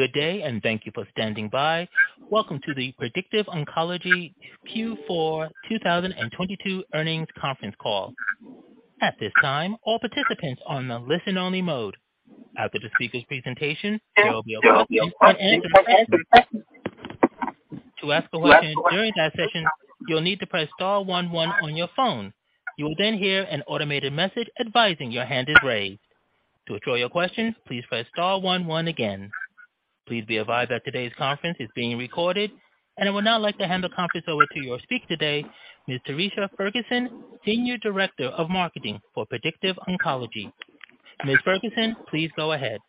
Good day, thank you for standing by. Welcome to the Predictive Oncology Q4 2022 earnings conference call. At this time, all participants are on a listen only mode. After the speaker's presentation, there will be to ask a question. To ask a question during that session, you'll need to press star one one on your phone. You will then hear an automated message advising your hand is raised. To withdraw your question, please press star one one again. Please be advised that today's conference is being recorded. I would now like to hand the conference over to your speaker today, Ms. Theresa Ferguson, Senior Director of Marketing for Predictive Oncology. Ms. Ferguson, please go ahead.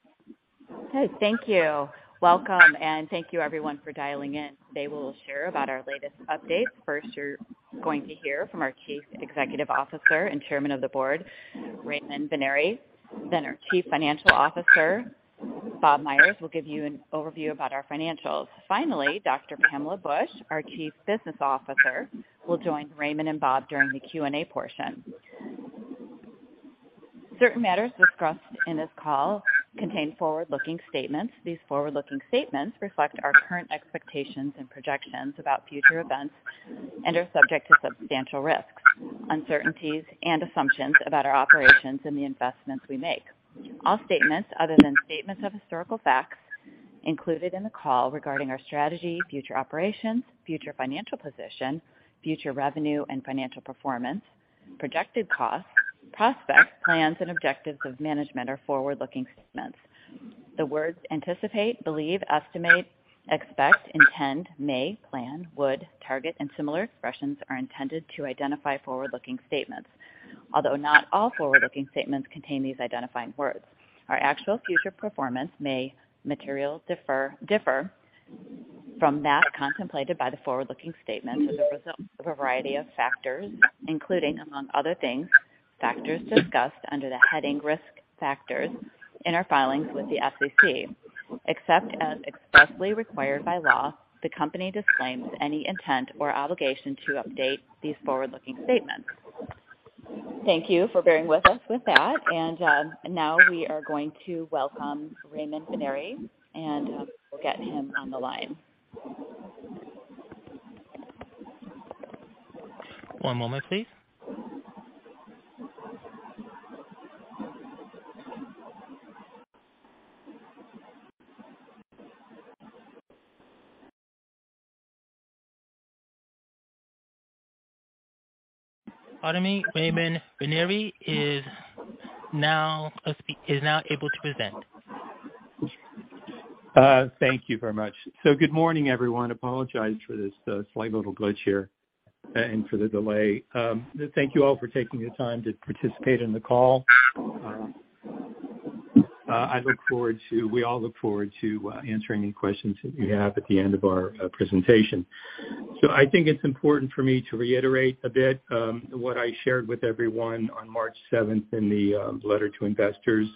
Hey, thank you. Welcome, thank you everyone for dialing in. Today we will share about our latest updates. First, you're going to hear from our Chief Executive Officer and Chairman of the Board, Raymond Vennare. Our Chief Financial Officer, Bob Myers, will give you an overview about our financials. Dr. Pamela Bush, our Chief Business Officer, will join Raymond and Bob during the Q&A portion. Certain matters discussed in this call contain forward-looking statements. These forward-looking statements reflect our current expectations and projections about future events and are subject to substantial risks, uncertainties, and assumptions about our operations and the investments we make. All statements other than statements of historical facts included in the call regarding our strategy, future operations, future financial position, future revenue and financial performance, projected costs, prospects, plans, and objectives of management are forward-looking statements. The words anticipate, believe, estimate, expect, intend, may, plan, would, target, and similar expressions are intended to identify forward-looking statements. Although not all forward-looking statements contain these identifying words. Our actual future performance may materially differ from that contemplated by the forward-looking statements as a result of a variety of factors, including among other things, factors discussed under the heading Risk Factors in our filings with the SEC. Except as expressly required by law, the company disclaims any intent or obligation to update these forward-looking statements. Thank you for bearing with us with that. Now we are going to welcome Raymond Vennare, and we'll get him on the line. One moment please. Party Raymond Vennare is now able to present. Thank you very much. Good morning, everyone. Apologize for this slight little glitch here and for the delay. Thank you all for taking the time to participate in the call. We all look forward to answering any questions that you have at the end of our presentation. I think it's important for me to reiterate a bit what I shared with everyone on March seventh in the letter to investors.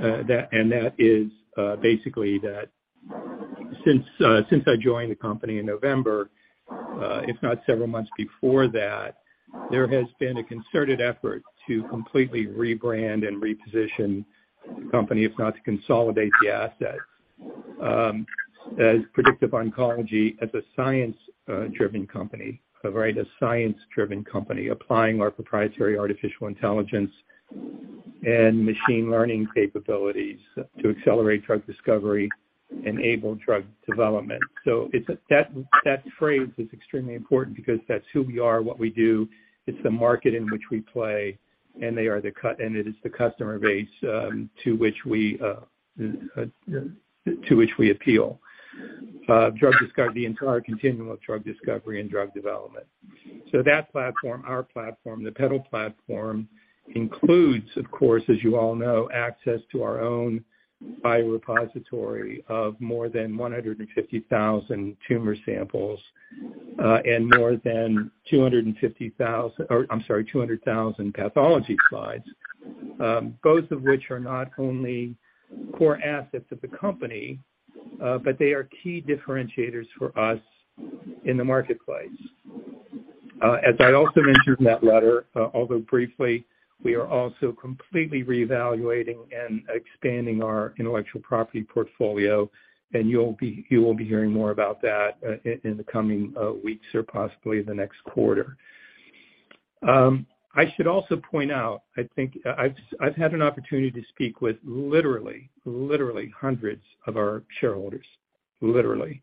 That and that is basically that since since I joined the company in November, if not several months before that, there has been a concerted effort to completely rebrand and reposition the company, if not to consolidate the assets as Predictive Oncology as a science driven company. A very science-driven company, applying our proprietary artificial intelligence and machine learning capabilities to accelerate drug discovery, enable drug development. That phrase is extremely important because that's who we are, what we do, it's the market in which we play, and it is the customer base to which we appeal. Drug discovery, the entire continuum of drug discovery and drug development. That platform, our platform, the PeDAL platform, includes of course as you all know, access to our own biorepository of more than 150,000 tumor samples and more than or I'm sorry, 200,000 pathology slides. Both of which are not only core assets of the company, but they are key differentiators for us in the marketplace. d in that letter, although briefly, we are also completely reevaluating and expanding our intellectual property portfolio, and you will be hearing more about that in the coming weeks or possibly the next quarter. I should also point out, I think I've had an opportunity to speak with literally hundreds of our shareholders, literally,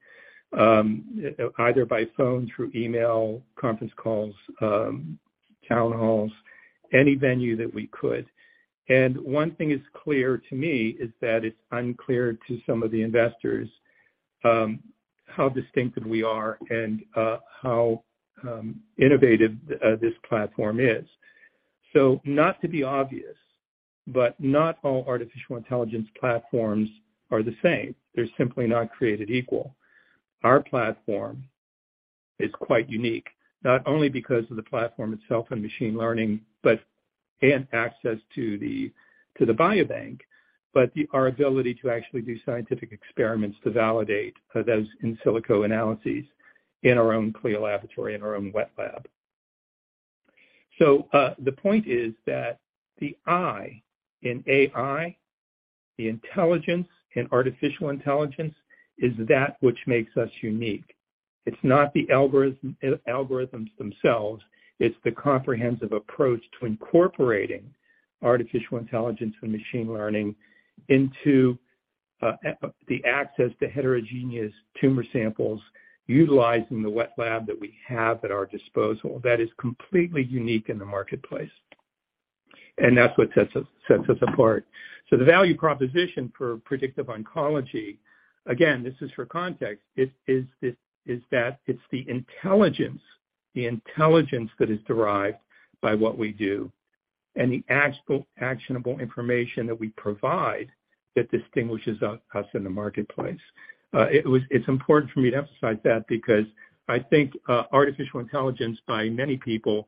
either by phone, through email, conference calls, town halls, any venue that we could. And one thing is clear to me is that it's unclear to some of the investors how distinctive we are and how innovative this platform is. Not to be obvious, but not all artificial intelligence platforms are the same. They're simply not created equal. Our platform is quite unique, not only because of the platform itself and machine learning, but access to the biobank, but our ability to actually do scientific experiments to validate those in silico analyses in our own CLIA laboratory, in our own wet lab. The point is that the I in AI, the intelligence in artificial intelligence, is that which makes us unique. It's not the algorithms themselves, it's the comprehensive approach to incorporating artificial intelligence and machine learning into the access to heterogeneous tumor samples utilizing the wet lab that we have at our disposal that is completely unique in the marketplace. That's what sets us apart. The value proposition for Predictive Oncology, again, this is for context, is that it's the intelligence, the intelligence that is derived by what we do and the actionable information that we provide that distinguishes us in the marketplace. It's important for me to emphasize that because I think artificial intelligence by many people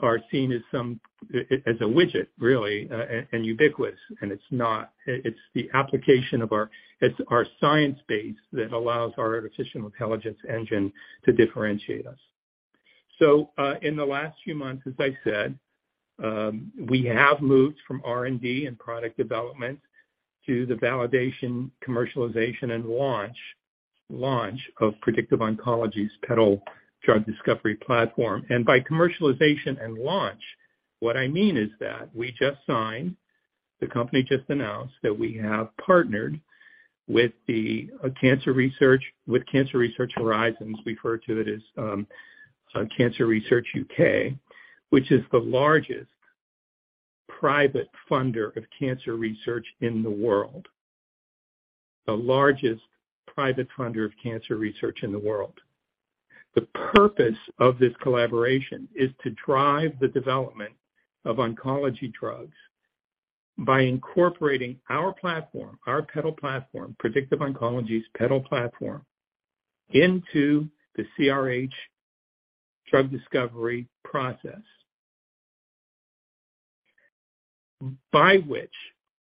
are seen as a widget really, and ubiquitous. It's not. It's the application of our science base that allows our artificial intelligence engine to differentiate us. In the last few months, as I said, we have moved from R&D and product development to the validation, commercialization, and launch of Predictive Oncology's PeDAL drug discovery platform. By commercialization and launch, what I mean is that we just signed, the company just announced that we have partnered with Cancer Research Horizons, refer to it as Cancer Research UK, which is the largest private funder of cancer research in the world. The largest private funder of cancer research in the world. The purpose of this collaboration is to drive the development of oncology drugs by incorporating our platform, our PeDAL platform, Predictive Oncology's PeDAL platform, into the CRH drug discovery process, by which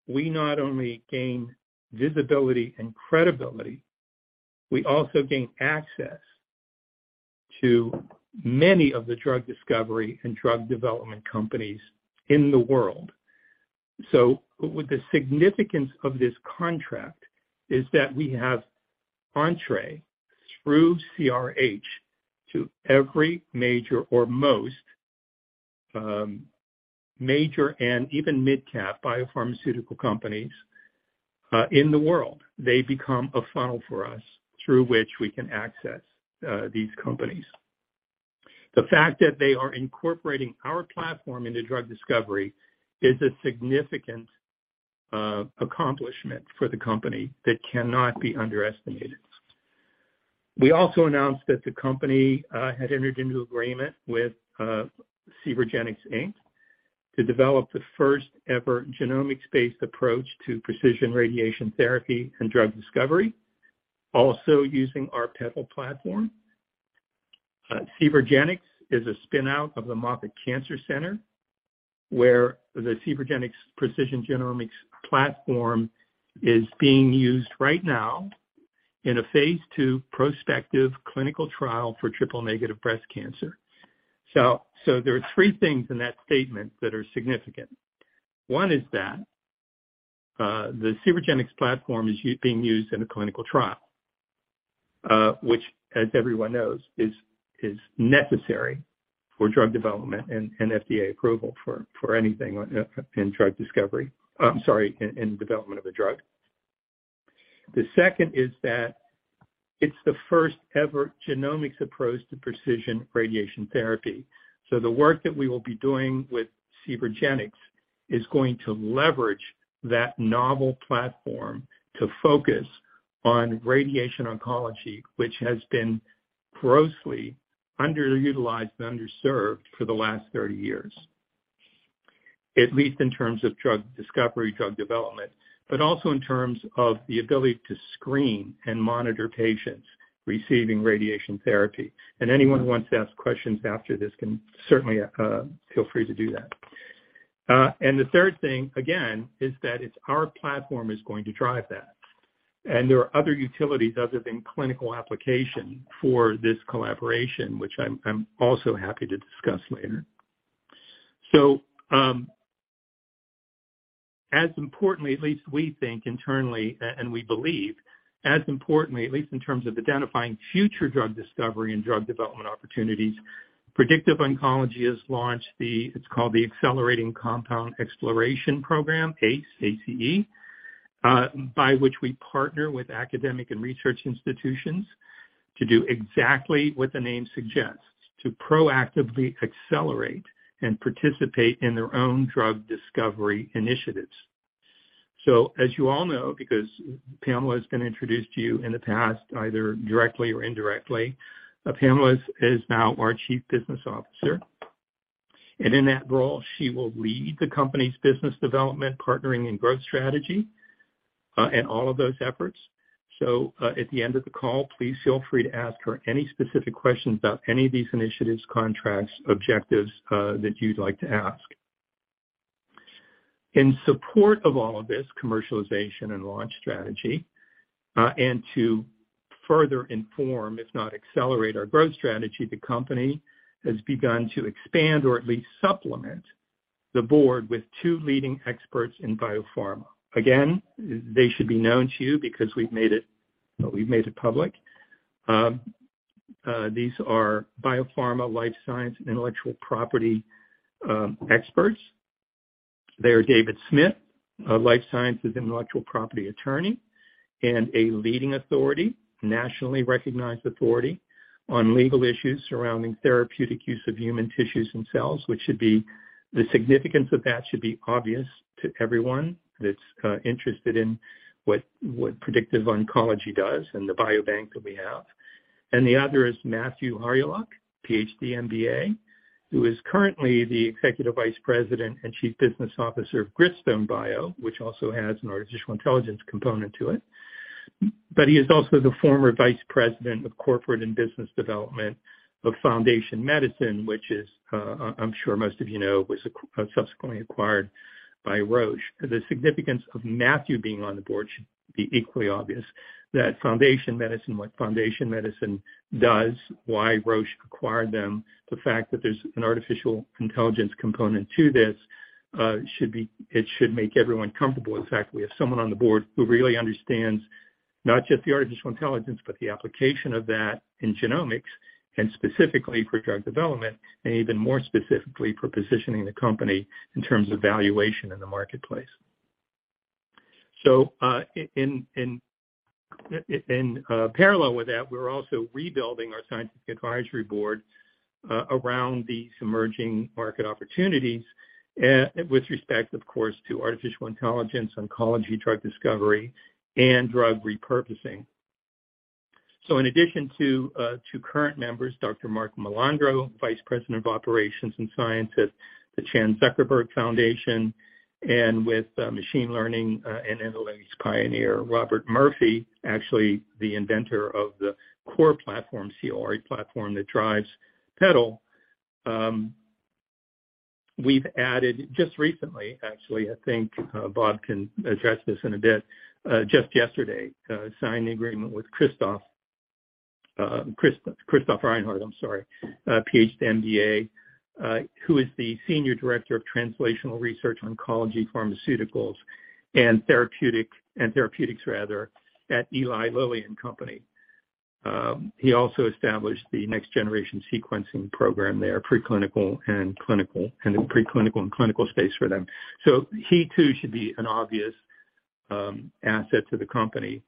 we not only gain visibility and credibility, we also gain access to many of the drug discovery and drug development companies in the world. With the significance of this contract is that we have entree through CRH to every major or most major and even mid-cap biopharmaceutical companies in the world. They become a funnel for us through which we can access these companies. The fact that they are incorporating our platform into drug discovery is a significant accomplishment for the company that cannot be underestimated. We also announced that the company had entered into agreement with Cvergenx, Inc. to develop the first-ever genomics-based approach to precision radiation therapy and drug discovery, also using our PeDAL platform. Cvergenx is a spin-out of the Moffitt Cancer Center, where the Cvergenx precision genomics platform is being used right now in a phase II prospective clinical trial for triple-negative breast cancer. There are three things in that statement that are significant. One is that the Cvergenx platform is being used in a clinical trial, which, as everyone knows, is necessary for drug development and FDA approval for anything in drug discovery. I'm sorry, in development of a drug. The second is that it's the first-ever genomics approach to precision radiation therapy. The work that we will be doing with Cvergenx is going to leverage that novel platform to focus on radiation oncology, which has been grossly underutilized and underserved for the last 30 years, at least in terms of drug discovery, drug development, but also in terms of the ability to screen and monitor patients receiving radiation therapy. Anyone who wants to ask questions after this can certainly feel free to do that. The third thing, again, is that it's our platform is going to drive that. There are other utilities other than clinical application for this collaboration, which I'm also happy to discuss later. As importantly, at least we think internally and we believe, as importantly, at least in terms of identifying future drug discovery and drug development opportunities, Predictive Oncology has launched the, it's called the Accelerating Compound Exploration program, ACE, by which we partner with academic and research institutions to do exactly what the name suggests, to proactively accelerate and participate in their own drug discovery initiatives. As you all know, because Pamela has been introduced to you in the past, either directly or indirectly, Pamela is now our Chief Business Officer. In that role, she will lead the company's business development, partnering, and growth strategy, and all of those efforts. At the end of the call, please feel free to ask her any specific questions about any of these initiatives, contracts, objectives that you'd like to ask. In support of all of this commercialization and launch strategy and to further inform, if not accelerate our growth strategy, the company has begun to expand or at least supplement the board with two leading experts in biopharma. Again, they should be known to you because we've made it public. These are biopharma life science intellectual property experts. They are David Smith, a life sciences intellectual property attorney, and a leading authority, nationally recognized authority on legal issues surrounding therapeutic use of human tissues and cells. The significance of that should be obvious to everyone that's interested in what Predictive Oncology does and the biobank that we have. The other is Matthew Hawryluk, PhD MBA, who is currently the Executive Vice President and Chief Business Officer of Gritstone bio, which also has an artificial intelligence component to it. He is also the former Vice President of Corporate and Business Development of Foundation Medicine, which is, I'm sure most of you know, was subsequently acquired by Roche. The significance of Matthew being on the board should be equally obvious. That Foundation Medicine, what Foundation Medicine does, why Roche acquired them, the fact that there's an artificial intelligence component to this, it should make everyone comfortable. In fact, we have someone on the board who really understands not just the artificial intelligence, but the application of that in genomics and specifically for drug development, and even more specifically for positioning the company in terms of valuation in the marketplace. In parallel with that, we're also rebuilding our scientific advisory board around these emerging market opportunities with respect, of course, to artificial intelligence, oncology, drug discovery, and drug repurposing. In addition to two current members, Dr. Marc Malandro, Vice President of Operations and Science at the Chan Zuckerberg Initiative, and with machine learning and intelligence pioneer Robert Murphy, actually the inventor of the CORE platform that drives PeDAL. We've added just recently, actually, I think Bob can address this in a bit, just yesterday, signed the agreement with Christoph Reinhard, Ph.D. MBA, who is the Senior Director of Translational Research Oncology Pharmaceuticals and Therapeutics at Eli Lilly and Company. He also established the next generation sequencing program there, preclinical and clinical, and the preclinical and clinical space for them. He too should be an obvious asset to the company.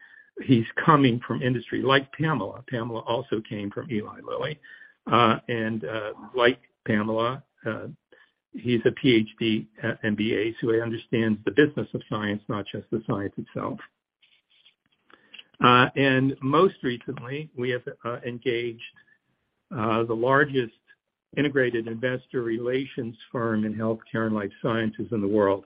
He's coming from industry like Pamela. Pamela also came from Eli Lilly. Like Pamela, he's a PhD, MBA, so he understands the business of science, not just the science itself. Most recently, we have engaged the largest integrated investor relations firm in healthcare and life sciences in the world.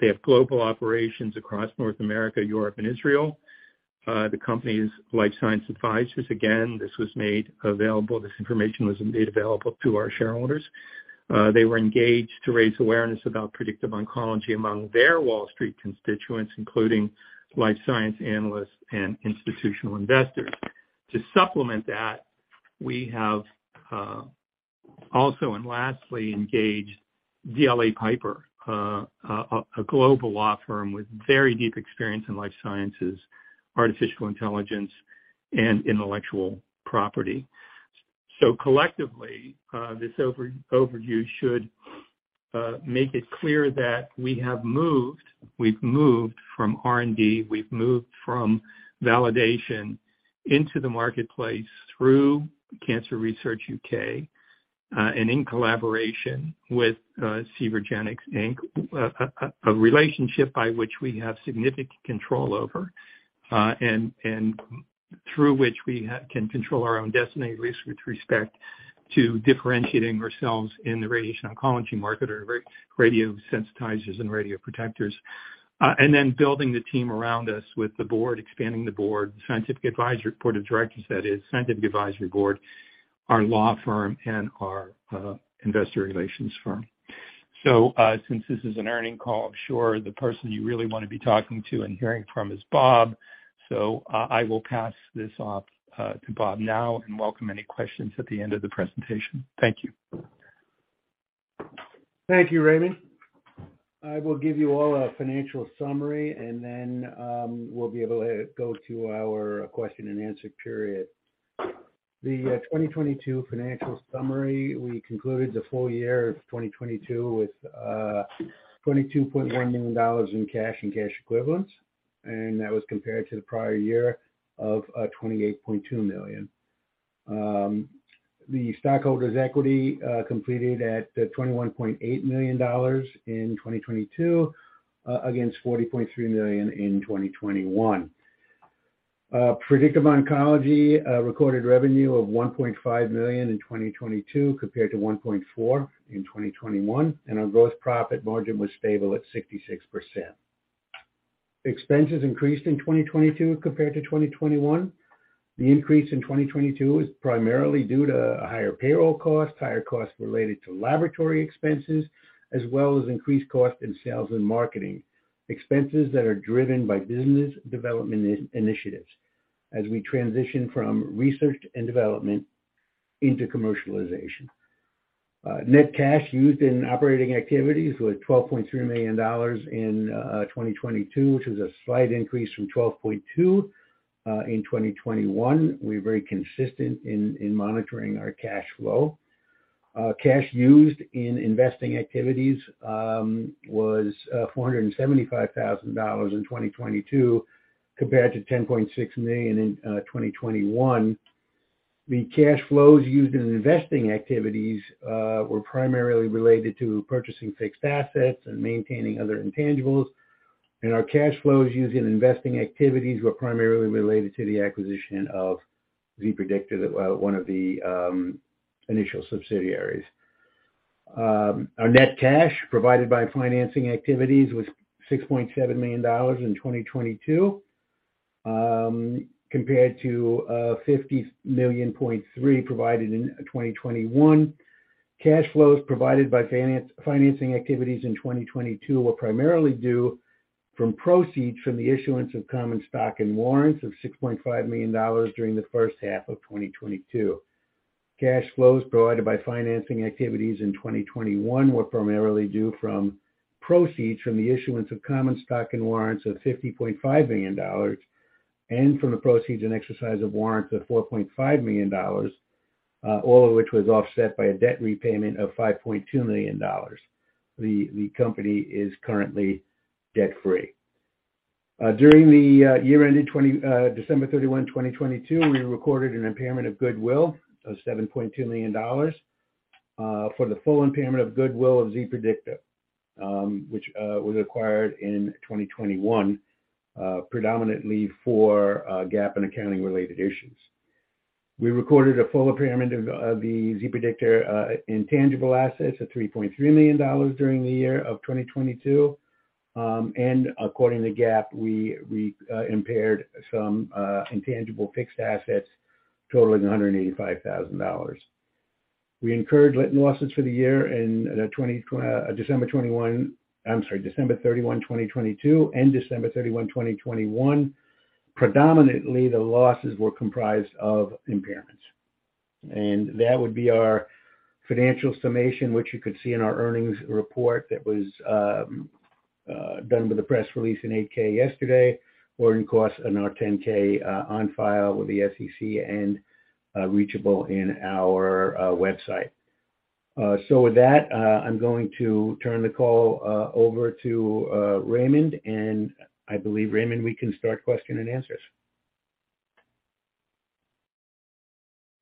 They have global operations across North America, Europe, and Israel. The company's LifeSci Advisors, again, this was made available, this information was made available to our shareholders. They were engaged to raise awareness about Predictive Oncology among their Wall Street constituents, including life science analysts and institutional investors. To supplement that, we have also and lastly engaged DLA Piper, a global law firm with very deep experience in life sciences, artificial intelligence, and intellectual property. Collectively, this over-overview should make it clear that we have moved, we've moved from R&D, we've moved from validation into the marketplace through Cancer Research UK, and in collaboration with Cvergenx Inc, a relationship by which we have significant control over, and through which we can control our own destiny with respect to differentiating ourselves in the radiation oncology market or radiosensitizers and radioprotectors. Then building the team around us with the board, expanding the board, scientific advisory board of directors that is, scientific advisory board, our law firm, and our investor relations firm. Since this is an earnings call, I'm sure the person you really wanna be talking to and hearing from is Bob. I will pass this off, to Bob now and welcome any questions at the end of the presentation. Thank you. Thank you, Raymond. I will give you all a financial summary and then, we'll be able to go to our question and answer period. 2022 financial summary, we concluded the full year of 2022 with $22.1 million in cash and cash equivalents, and that was compared to the prior year of $28.2 million. The stockholders' equity completed at $21.8 million in 2022 against $40.3 million in 2021. Predictive Oncology recorded revenue of $1.5 million in 2022 compared to $1.4 million in 2021, and our growth profit margin was stable at 66%. Expenses increased in 2022 compared to 2021. The increase in 2022 is primarily due to higher payroll costs, higher costs related to laboratory expenses, as well as increased costs in sales and marketing. Expenses that are driven by business development initiatives as we transition from research and development into commercialization. Net cash used in operating activities was $12.3 million in 2022, which is a slight increase from $12.2 in 2021. We're very consistent in monitoring our cash flow. Cash used in investing activities was $475,000 in 2022 compared to $10.6 million in 2021. The cash flows used in investing activities were primarily related to purchasing fixed assets and maintaining other intangibles. Our cash flows used in investing activities were primarily related to the acquisition of zPREDICTA, one of the initial subsidiaries. Our net cash provided by financing activities was $6.7 million in 2022, compared to $50.3 million provided in 2021. Cash flows provided by financing activities in 2022 were primarily due from proceeds from the issuance of common stock and warrants of $6.5 million during the first half of 2022. Cash flows provided by financing activities in 2021 were primarily due from proceeds from the issuance of common stock and warrants of $50.5 million and from the proceeds and exercise of warrants of $4.5 million, all of which was offset by a debt repayment of $5.2 million. The company is currently debt-free. During the year ended December 31, 2022, we recorded an impairment of goodwill of $7.2 million for the full impairment of goodwill of zPREDICTA, which was acquired in 2021, predominantly for GAAP and accounting-related issues. We recorded a full impairment of the zPREDICTA intangible assets of $3.3 million during the year of 2022. According to GAAP, we impaired some intangible fixed assets totaling $185,000. We incurred latent losses for the year in December 21. I'm sorry, December 31, 2022 and December 31, 2021. Predominantly, the losses were comprised of impairments. That would be our financial summation, which you could see in our earnings report that was done with the press release in 8-K yesterday, or of course, in our 10-K on file with the SEC and reachable in our website. With that, I'm going to turn the call over to Raymond. I believe, Raymond, we can start question and answers.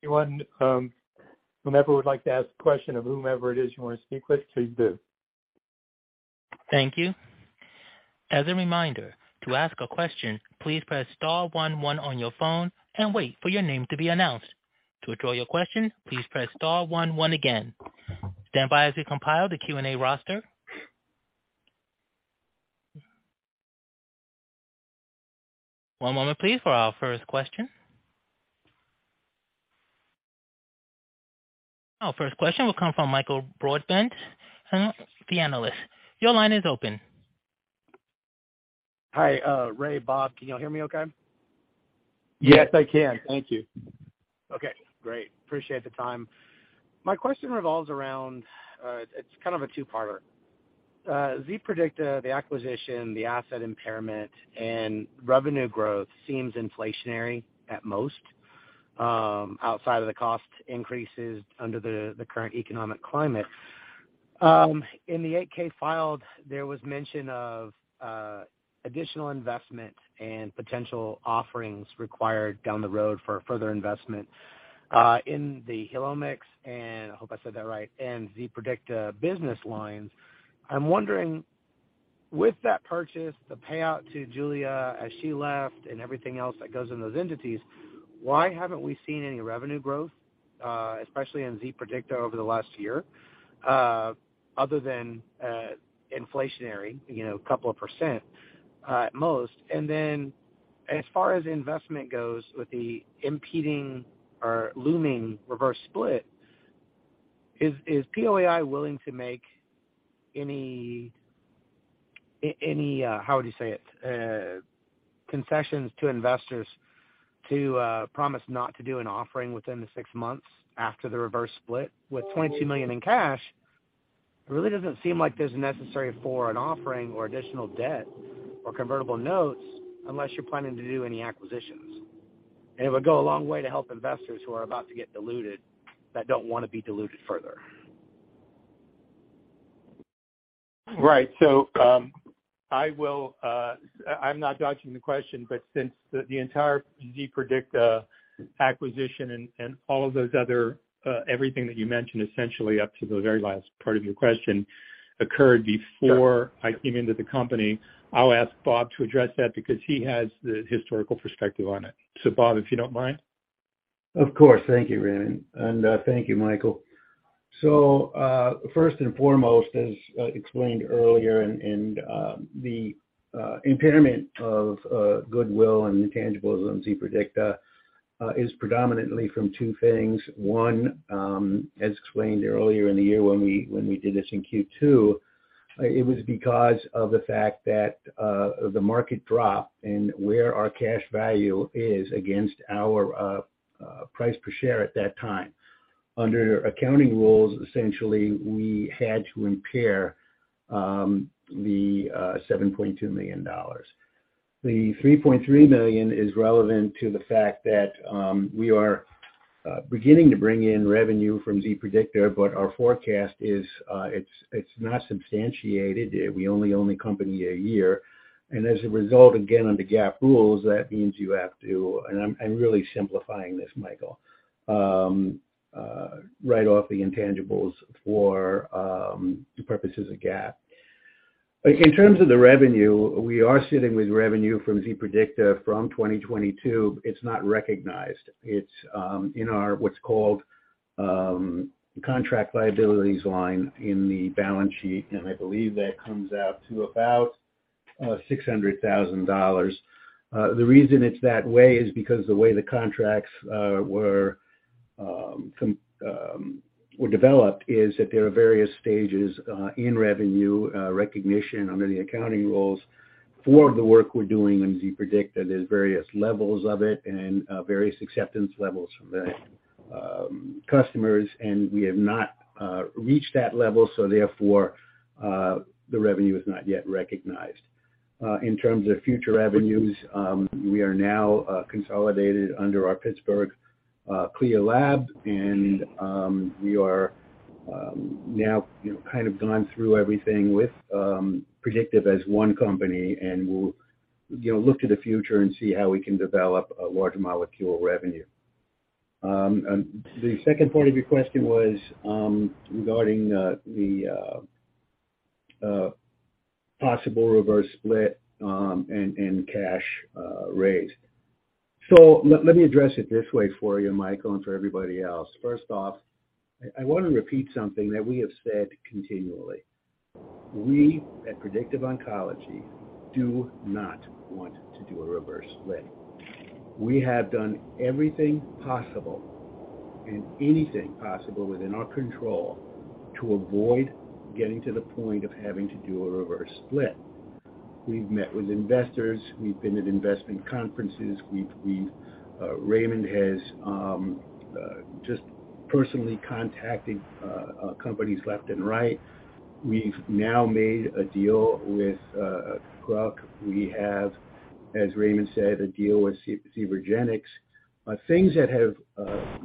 Anyone, whomever would like to ask a question of whomever it is you wanna speak with, please do. Thank you. As a reminder, to ask a question, please press star one one on your phone and wait for your name to be announced. To withdraw your question, please press star one one again. Stand by as we compile the Q&A roster. One moment please for our first question. Our first question will come from Michael Broadbent, the analyst. Your line is open. Hi, Ray, Bob, can you all hear me okay? Yes, I can. Thank you. Okay, great. Appreciate the time. My question revolves around, it's kind of a two-parter. zPREDICTA, the acquisition, the asset impairment and revenue growth seems inflationary at most, outside of the cost increases under the current economic climate. In the 8-K filed, there was mention of additional investment and potential offerings required down the road for further investment in the Helomics, and I hope I said that right, and zPREDICTA business lines. I'm wondering, with that purchase, the payout to Julia as she left and everything else that goes in those entities, why haven't we seen any revenue growth, especially in zPREDICTA over the last year, other than inflationary, you know, couple of %, at most. As far as investment goes with the impeding or looming reverse split, is POAI willing to make any, how would you say it? Concessions to investors to promise not to do an offering within the six months after the reverse split with $22 million in cash? It really doesn't seem like there's necessary for an offering or additional debt or convertible notes unless you're planning to do any acquisitions. It would go a long way to help investors who are about to get diluted that don't wanna be diluted further. Right. I'm not dodging the question, but since the entire zPREDICTA acquisition and all of those other, everything that you mentioned essentially up to the very last part of your question occurred before I came into the company, I'll ask Bob to address that because he has the historical perspective on it. Bob, if you don't mind. Of course. Thank you, Raymond. Thank you, Michael. First and foremost, as explained earlier in the impairment of goodwill and intangibles on zPREDICTA, is predominantly from two things. One, as explained earlier in the year when we did this in Q2, it was because of the fact that the market dropped and where our cash value is against our price per share at that time. Under accounting rules, essentially, we had to impair the $7.2 million. The $3.3 million is relevant to the fact that we are beginning to bring in revenue from zPREDICTA, but our forecast is it's not substantiated. We only own the company a year. As a result, again, under GAAP rules, that means you have to, I'm really simplifying this, Michael, write off the intangibles for the purposes of GAAP. In terms of the revenue, we are sitting with revenue from zPREDICTA from 2022. It's not recognized. It's in our what's called contract liabilities line in the balance sheet, and I believe that comes out to about $600,000. The reason it's that way is because the way the contracts were developed is that there are various stages in revenue recognition under the accounting rules for the work we're doing in zPREDICTA. There's various levels of it and various acceptance levels from the customers, we have not reached that level, therefore, the revenue is not yet recognized. In terms of future revenues, we are now consolidated under our Pittsburgh CLIA lab, and we are now kind of gone through everything with Predictive as one company, and we'll, you know, look to the future and see how we can develop a large molecule revenue. The second part of your question was regarding the possible reverse split and cash raise. Let me address it this way for you, Michael, and for everybody else. First off, I wanna repeat something that we have said continually. We, at Predictive Oncology, do not want to do a reverse split. We have done everything possible and anything possible within our control to avoid getting to the point of having to do a reverse split. We've met with investors, we've been at investment conferences. We've Raymond has just personally contacted companies left and right. We've now made a deal with PROC. We have, as Raymond said, a deal with Cvergenx. things that have,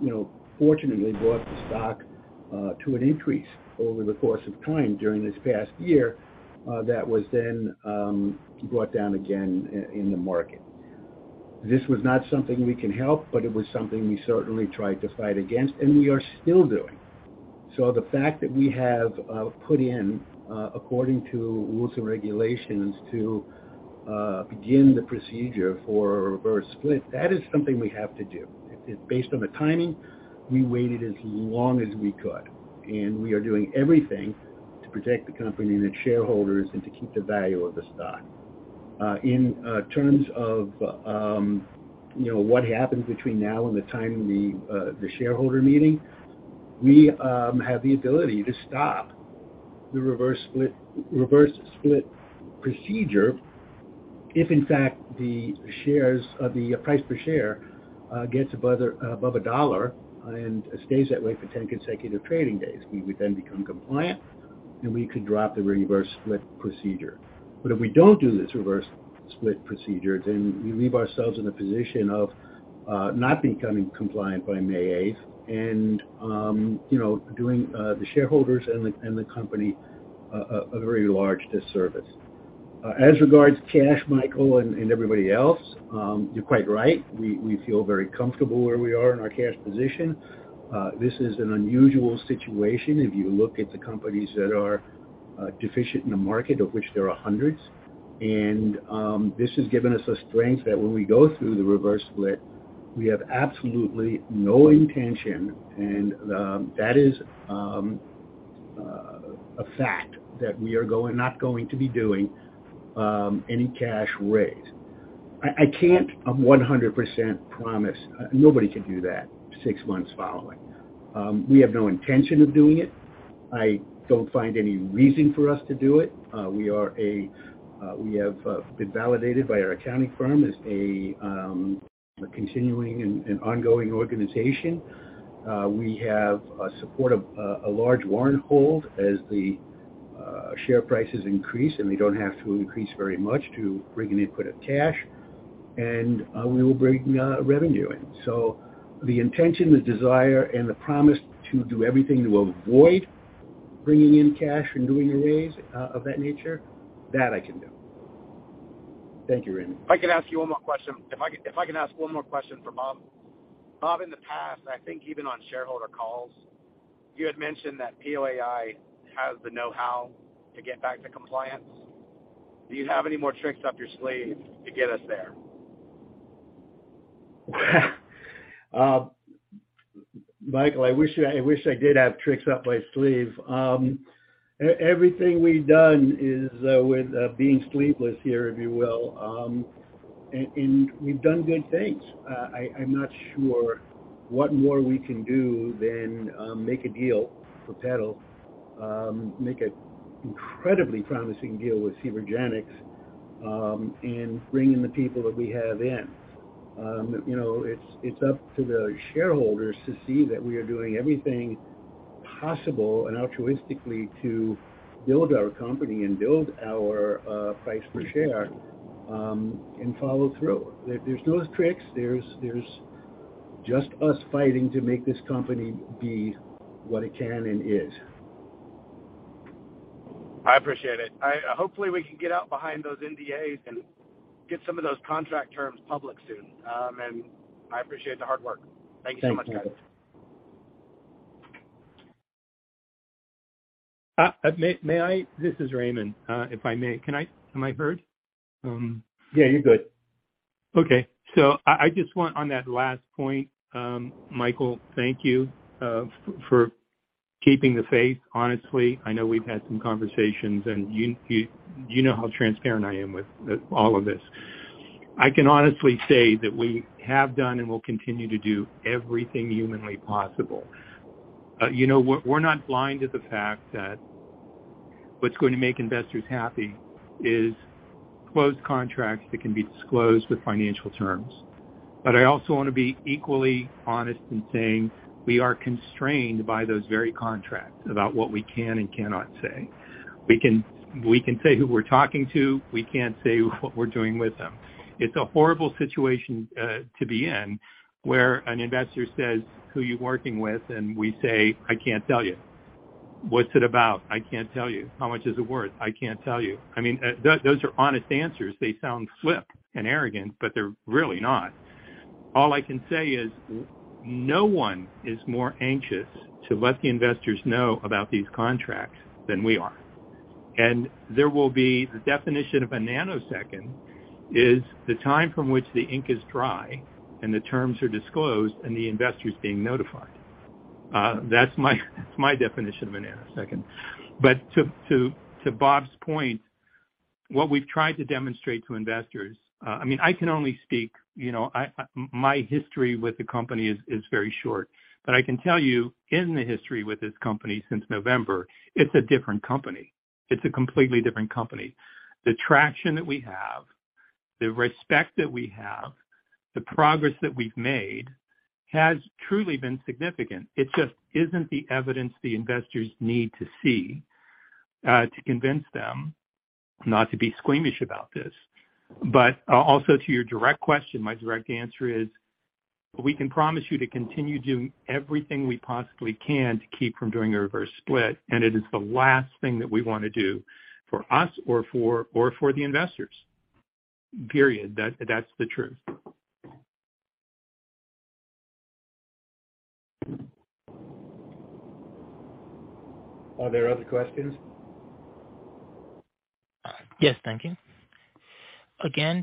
you know, fortunately brought the stock to an increase over the course of time during this past year, that was then brought down again in the market. This was not something we can help, but it was something we certainly tried to fight against, and we are still doing. The fact that we have put in according to rules and regulations to begin the procedure for a reverse split, that is something we have to do. It's based on the timing. We waited as long as we could. We are doing everything to protect the company and its shareholders and to keep the value of the stock. In terms of, you know, what happens between now and the time of the shareholder meeting, we have the ability to stop the reverse split procedure if in fact the shares or the price per share gets above $1 and stays that way for 10 consecutive trading days. We would then become compliant. We could drop the reverse split procedure. If we don't do this reverse split procedure, then we leave ourselves in a position of not becoming compliant by May eighth and, you know, doing the shareholders and the company a very large disservice. As regards cash, Michael and everybody else, you're quite right. We feel very comfortable where we are in our cash position. This is an unusual situation if you look at the companies that are deficient in the market, of which there are hundreds. This has given us a strength that when we go through the reverse split, we have absolutely no intention, that is a fact that we are not going to be doing any cash raise. I can't 100% promise. Nobody can do that six months following. We have no intention of doing it. I don't find any reason for us to do it. We have been validated by our accounting firm as a continuing and ongoing organization. We have a support of a large warrant hold as the share prices increase, and they don't have to increase very much to bring an input of cash. We will bring revenue in. The intention, the desire, and the promise to do everything to avoid bringing in cash and doing a raise of that nature, that I can do. Thank you, Raymond. If I could ask you one more question. If I can ask one more question for Bob. Bob, in the past, I think even on shareholder calls, you had mentioned that POAI has the know-how to get back to compliance. Do you have any more tricks up your sleeve to get us there? Michael, I wish I did have tricks up my sleeve. Everything we've done is with being sleeveless here, if you will. We've done good things. I am not sure what more we can do than make a deal for PeDAL, make an incredibly promising deal with Cvergenx, and bring in the people that we have in. You know, it is up to the shareholders to see that we are doing everything possible and altruistically to build our company and build our price per share and follow through. There is no tricks. There is just us fighting to make this company be what it can and is. I appreciate it. Hopefully we can get out behind those NDAs and get some of those contract terms public soon. I appreciate the hard work. Thank you so much, guys. Thank you. May I. This is Raymond. If I may, am I heard? Yeah, you're good. I just want on that last point, Michael, thank you for keeping the faith, honestly. I know we've had some conversations, and you know how transparent I am with all of this. I can honestly say that we have done and will continue to do everything humanly possible. you know, we're not blind to the fact that what's going to make investors happy is closed contracts that can be disclosed with financial terms. I also wanna be equally honest in saying we are constrained by those very contracts about what we can and cannot say. We can say who we're talking to. We can't say what we're doing with them. It's a horrible situation to be in, where an investor says, "Who are you working with?" We say, "I can't tell you." "What's it about?" "I can't tell you." "How much is it worth?" "I can't tell you." I mean, those are honest answers. They sound flip and arrogant, but they're really not. All I can say is no one is more anxious to let the investors know about these contracts than we are. There will be... The definition of a nanosecond is the time from which the ink is dry and the terms are disclosed and the investors being notified. That's my definition of a nanosecond. To Bob's point, what we've tried to demonstrate to investors... I mean, I can only speak, you know, I... My history with the company is very short. I can tell you in the history with this company since November, it's a different company. It's a completely different company. The traction that we have, the respect that we have, the progress that we've made has truly been significant. It just isn't the evidence the investors need to see to convince them not to be squeamish about this. Also to your direct question, my direct answer is, we can promise you to continue doing everything we possibly can to keep from doing a reverse split, and it is the last thing that we wanna do for us or for the investors, period. That's the truth. Are there other questions? Yes. Thank you.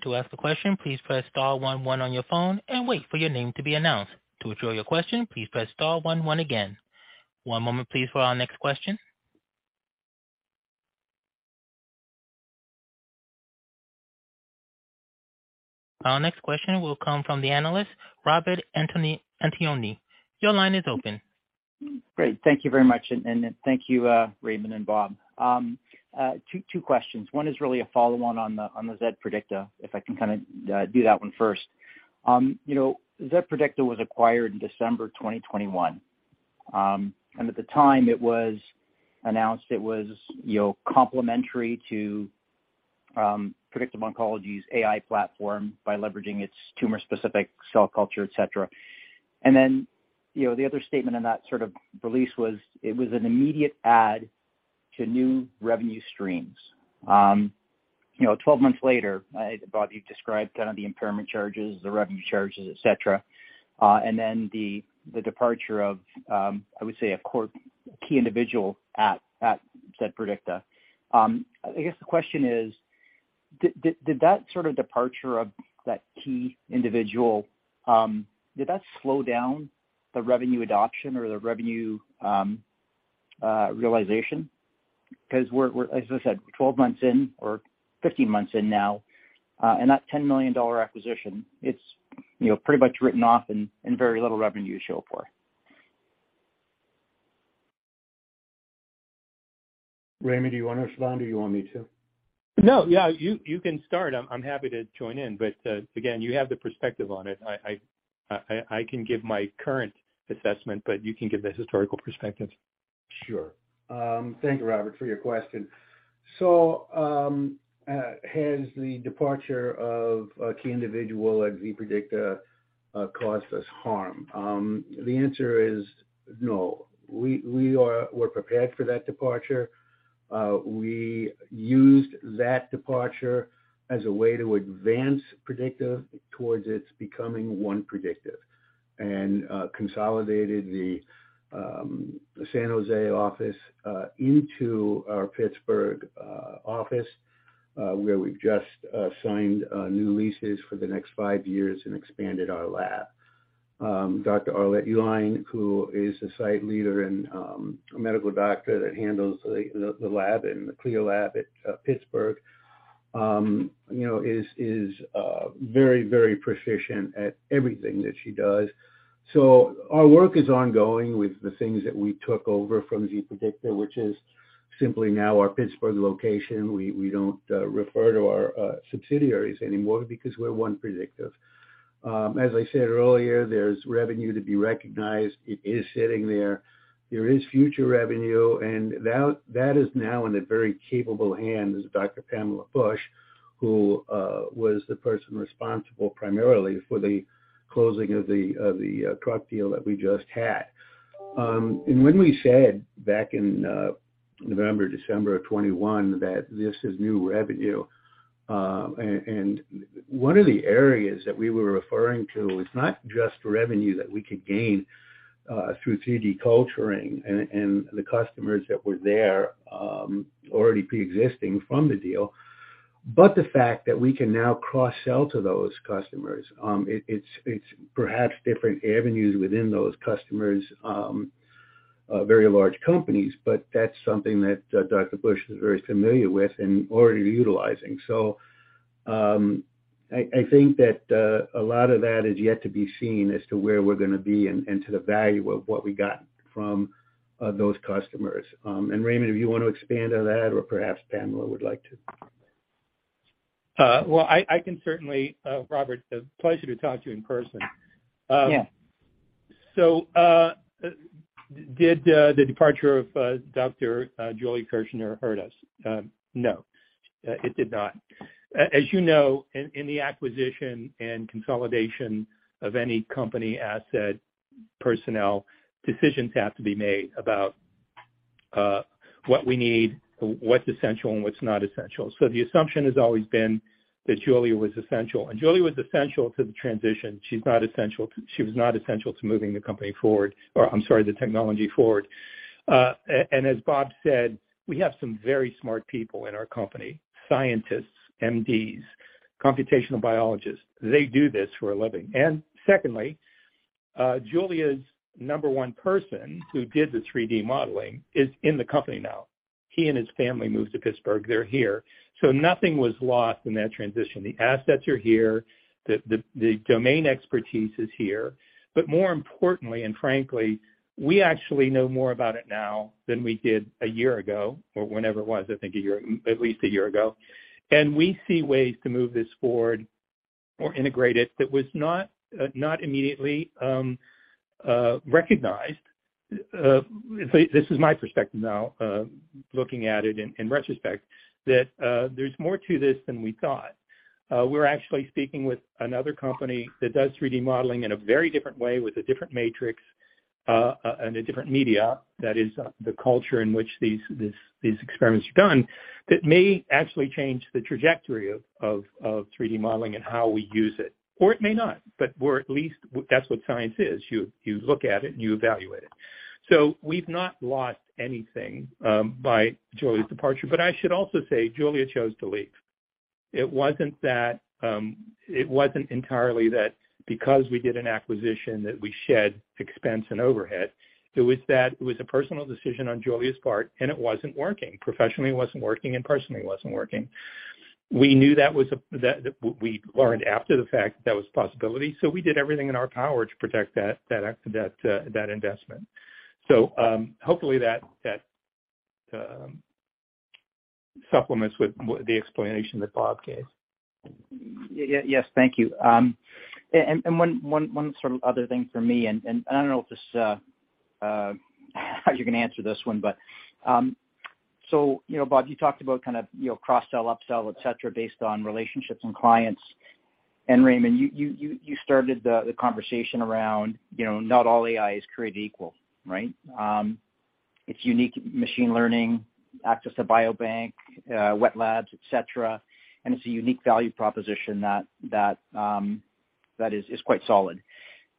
To ask a question, please press star one one on your phone and wait for your name to be announced. To withdraw your question, please press star one one again. One moment please for our next question. Our next question will come from the analyst, Robert Antonioni. Your line is open. Great. Thank you very much. Thank you, Raymond and Bob. Two questions. One is really a follow-on on the zPREDICTA, if I can kinda do that one first. You know, zPREDICTA was acquired in December 2021. At the time it was announced it was, you know, complementary to Predictive Oncology's AI platform by leveraging its tumor-specific cell culture, et cetera. You know, the other statement in that sort of release was it was an immediate add to new revenue streams. You know, 12 months later, Bob, you've described kind of the impairment charges, the revenue charges, et cetera, the departure of, I would say a core key individual at zPREDICTA. I guess the question is: Did that sort of departure of that key individual did that slow down the revenue adoption or the revenue realization? 'Cause we're, as I said, 12 months in or 15 months in now, and that $10 million acquisition, it's, you know, pretty much written off and very little revenue to show for. Raymond, do you wanna respond, or do you want me to? Yeah, you can start. I'm happy to join in. Again, you have the perspective on it. I can give my current assessment. You can give the historical perspective. Sure. Thank you, Robert, for your question. Has the departure of a key individual at zPREDICTA caused us harm? The answer is no. We were prepared for that departure. We used that departure as a way to advance Predictive towards its becoming one Predictive. Consolidated the San Jose office into our Pittsburgh office, where we've just signed new leases for the next five years and expanded our lab. Dr. Arlette Uihlein, who is the site leader and a medical doctor that handles the lab and the CLIA lab at Pittsburgh, you know, is very, very proficient at everything that she does. Our work is ongoing with the things that we took over from zPREDICTA, which is simply now our Pittsburgh location. We don't refer to our subsidiaries anymore because we're one Predictive. As I said earlier, there's revenue to be recognized. It is sitting there. There is future revenue, that is now in the very capable hands of Dr. Pamela Bush, who was the person responsible primarily for the closing of the CRUK deal that we just had. When we said back in November, December of 2021 that this is new revenue, and one of the areas that we were referring to was not just revenue that we could gain through 3D culturing and the customers that were there already preexisting from the deal, but the fact that we can now cross-sell to those customers. It's perhaps different avenues within those customers', very large companies, but that's something that Dr. Bush is very familiar with and already utilizing. I think that a lot of that is yet to be seen as to where we're gonna be and to the value of what we got from those customers. Raymond, if you wanna expand on that, or perhaps Pamela would like to. Well, I can certainly, Robert, a pleasure to talk to you in person. Yeah. Did the departure of Dr. Julia Kirshner hurt us? No. It did not. As you know, in the acquisition and consolidation of any company asset, personnel, decisions have to be made about what we need, what's essential and what's not essential. The assumption has always been that Julia was essential, and Julia was essential to the transition. She was not essential to moving the company forward, or I'm sorry, the technology forward. As Bob said, we have some very smart people in our company, scientists, MDs, computational biologists. They do this for a living. Secondly, Julia's number one person who did the 3D modeling is in the company now. He and his family moved to Pittsburgh. They're here. Nothing was lost in that transition. The assets are here. The domain expertise is here. More importantly, and frankly, we actually know more about it now than we did a year ago or whenever it was, I think a year, at least a year ago. We see ways to move this forward or integrate it that was not immediately recognized. This is my perspective now, looking at it in retrospect, that there's more to this than we thought. We're actually speaking with another company that does 3D modeling in a very different way with a different matrix, and a different media, that is, the culture in which these, this, these experiments are done, that may actually change the trajectory of 3D modeling and how we use it, or it may not, but we're at least that's what science is. You look at it and you evaluate it. We've not lost anything by Julia's departure. I should also say Julia chose to leave. It wasn't that it wasn't entirely that because we did an acquisition that we shed expense and overhead. It was that it was a personal decision on Julia's part, and it wasn't working. Professionally, it wasn't working, and personally, it wasn't working. We learned after the fact that that was a possibility, so we did everything in our power to protect that investment. Hopefully that supplements with the explanation that Bob gave. Yes. Thank you. And one sort of other thing for me, I don't know if this how you're gonna answer this one, you know, Bob, you talked about kind of, you know, cross-sell, upsell, et cetera, based on relationships and clients. Raymond, you started the conversation around, you know, not all AI is created equal, right? It's unique machine learning, access to biobank, wet labs, et cetera. It's a unique value proposition that is quite solid.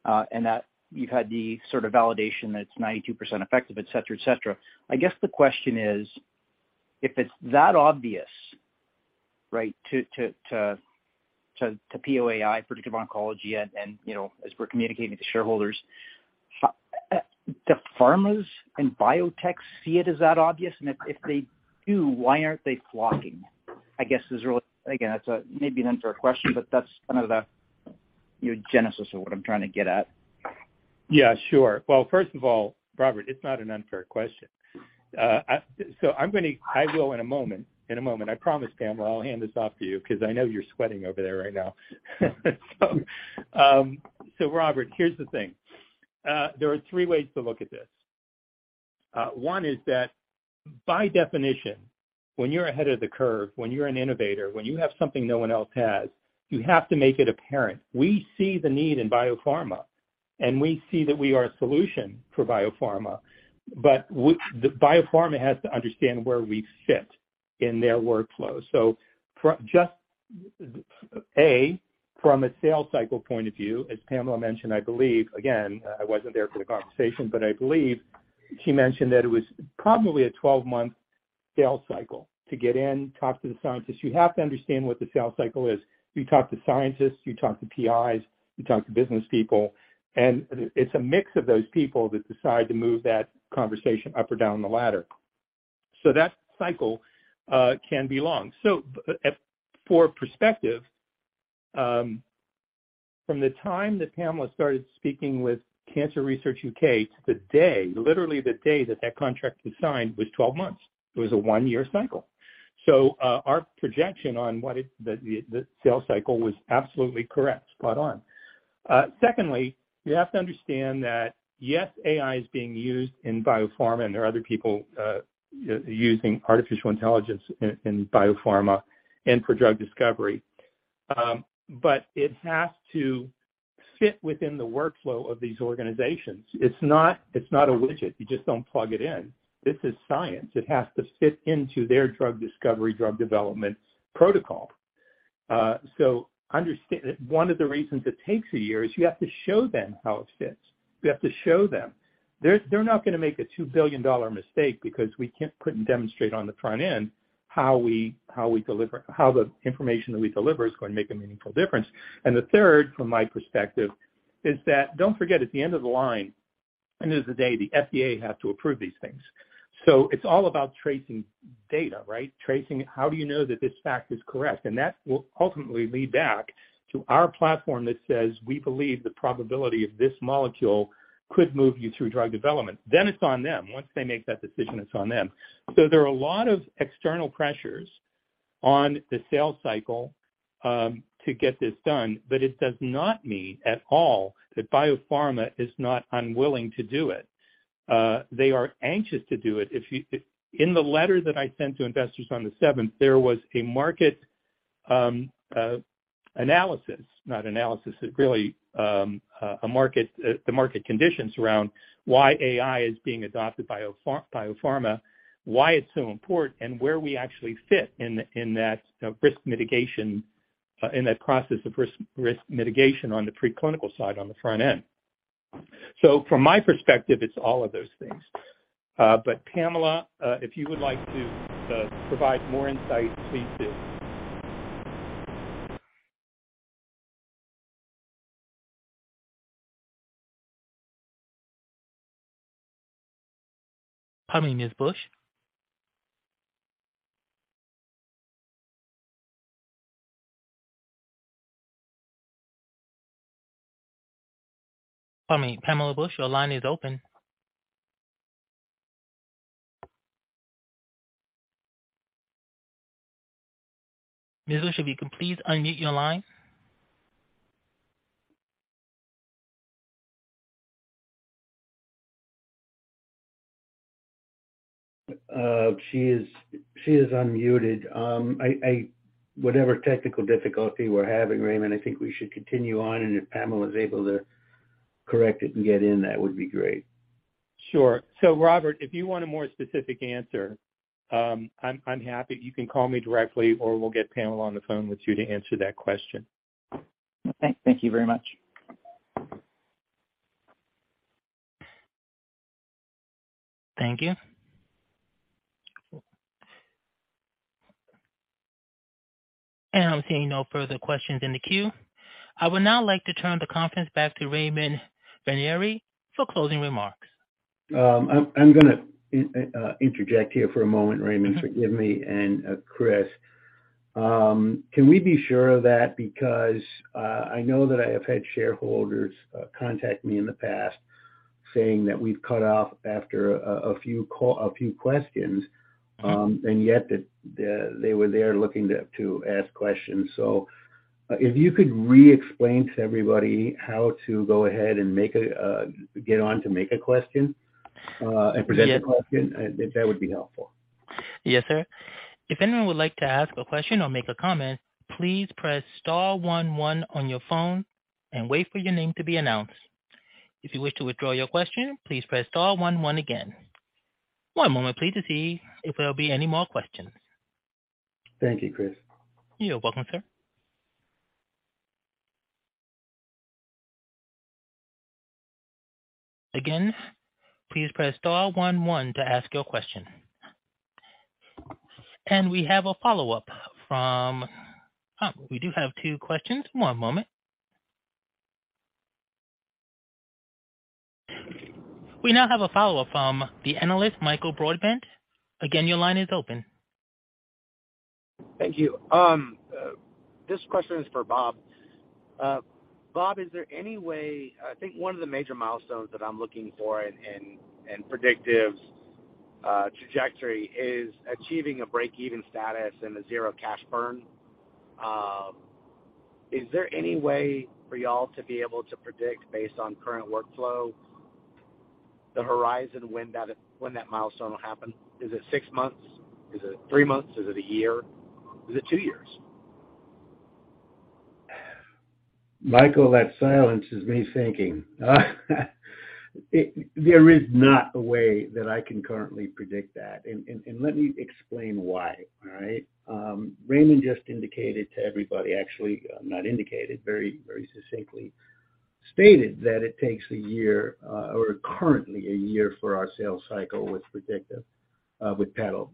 That you've had the sort of validation that it's 92% effective, et cetera, et cetera. I guess the question is, if it's that obvious, right, to POAI, Predictive Oncology, and, you know, as we're communicating to shareholders, do pharmas and biotechs see it as that obvious? If they do, why aren't they flocking, I guess, is really? That's a maybe an unfair question, that's kind of the, you know, genesis of what I'm trying to get at. Sure. First of all, Robert, it's not an unfair question. I will in a moment, I promise, Pamela, I'll hand this off to you because I know you're sweating over there right now. Robert, here's the thing. There are three ways to look at this. One is that by definition, when you're ahead of the curve, when you're an innovator, when you have something no one else has, you have to make it apparent. We see the need in biopharma, and we see that we are a solution for biopharma, but the biopharma has to understand where we fit in their workflow. Just, A, from a sales cycle point of view, as Pamela mentioned, I believe again, I wasn't there for the conversation, but I believe she mentioned that it was probably a 12-month sales cycle to get in, talk to the scientists. You have to understand what the sales cycle is. You talk to scientists, you talk to PIs, you talk to business people, and it's a mix of those people that decide to move that conversation up or down the ladder. That cycle can be long. For perspective, from the time that Pamela started speaking with Cancer Research UK to the day, literally the day that that contract was signed was 12 months. It was a one-year cycle. Our projection on what the sales cycle was absolutely correct. Spot on. Secondly, you have to understand that, yes, AI is being used in biopharma, and there are other people using artificial intelligence in biopharma and for drug discovery, but it has to fit within the workflow of these organizations. It's not, it's not a widget. You just don't plug it in. This is science. It has to fit into their drug discovery, drug development protocol. One of the reasons it takes a year is you have to show them how it fits. You have to show them. They're not gonna make a $2 billion mistake because we can't put and demonstrate on the front end how we deliver, how the information that we deliver is gonna make a meaningful difference. The third, from my perspective, is that don't forget, at the end of the line, end of the day, the FDA has to approve these things. It's all about tracing data, right? Tracing, how do you know that this fact is correct? That will ultimately lead back to our platform that says, we believe the probability of this molecule could move you through drug development. It's on them. Once they make that decision, it's on them. There are a lot of external pressures on the sales cycle to get this done. It does not mean at all that biopharma is not unwilling to do it. They are anxious to do it. In the letter that I sent to investors on the seventh, there was a market, analysis, not analysis, really, a market, the market conditions around why AI is being adopted by a biopharma, why it's so important, and where we actually fit in that risk mitigation, in that process of risk mitigation on the preclinical side, on the front end. From my perspective, it's all of those things. Pamela, if you would like to provide more insight, please do. Pardon me, Ms. Bush. Pardon me. Pamela Bush, your line is open. Ms. Bush, if you can please unmute your line. She is unmuted. Whatever technical difficulty we're having, Raymond, I think we should continue on, and if Pamela is able to correct it and get in, that would be great. Sure. Robert, if you want a more specific answer, I'm happy. You can call me directly, or we'll get Pamela on the phone with you to answer that question. Okay. Thank you very much. Thank you. I'm seeing no further questions in the queue. I would now like to turn the conference back to Raymond Vennare for closing remarks. I'm gonna interject here for a moment, Raymond, forgive me, and Chris. Can we be sure of that? I know that I have had shareholders contact me in the past saying that we've cut off after a few questions, and yet that they were there looking to ask questions. If you could re-explain to everybody how to go ahead and get on to make a question. Yes. Present a question, that would be helpful. Yes, sir. If anyone would like to ask a question or make a comment, please press star one one on your phone and wait for your name to be announced. If you wish to withdraw your question, please press star one one again. One moment please, to see if there will be any more questions. Thank you, Chris. You're welcome, sir. Again, please press star one one to ask your question. We do have two questions. One moment. We now have a follow-up from the analyst Michael Broadbent. Again, your line is open. Thank you. This question is for Bob. Bob, is there any way... I think one of the major milestones that I'm looking for in Predictive's trajectory is achieving a break-even status and a zero cash burn. Is there any way for y'all to be able to predict, based on current workflow, the horizon when that milestone will happen? Is it six months? Is it three months? Is it one year? Is it two years? Michael, that silence is me thinking. There is not a way that I can currently predict that, and let me explain why. All right? Raymond just indicated to everybody, actually, not indicated, very, very succinctly stated that it takes a year, or currently a year for our sales cycle with Predictive, with PeDAL.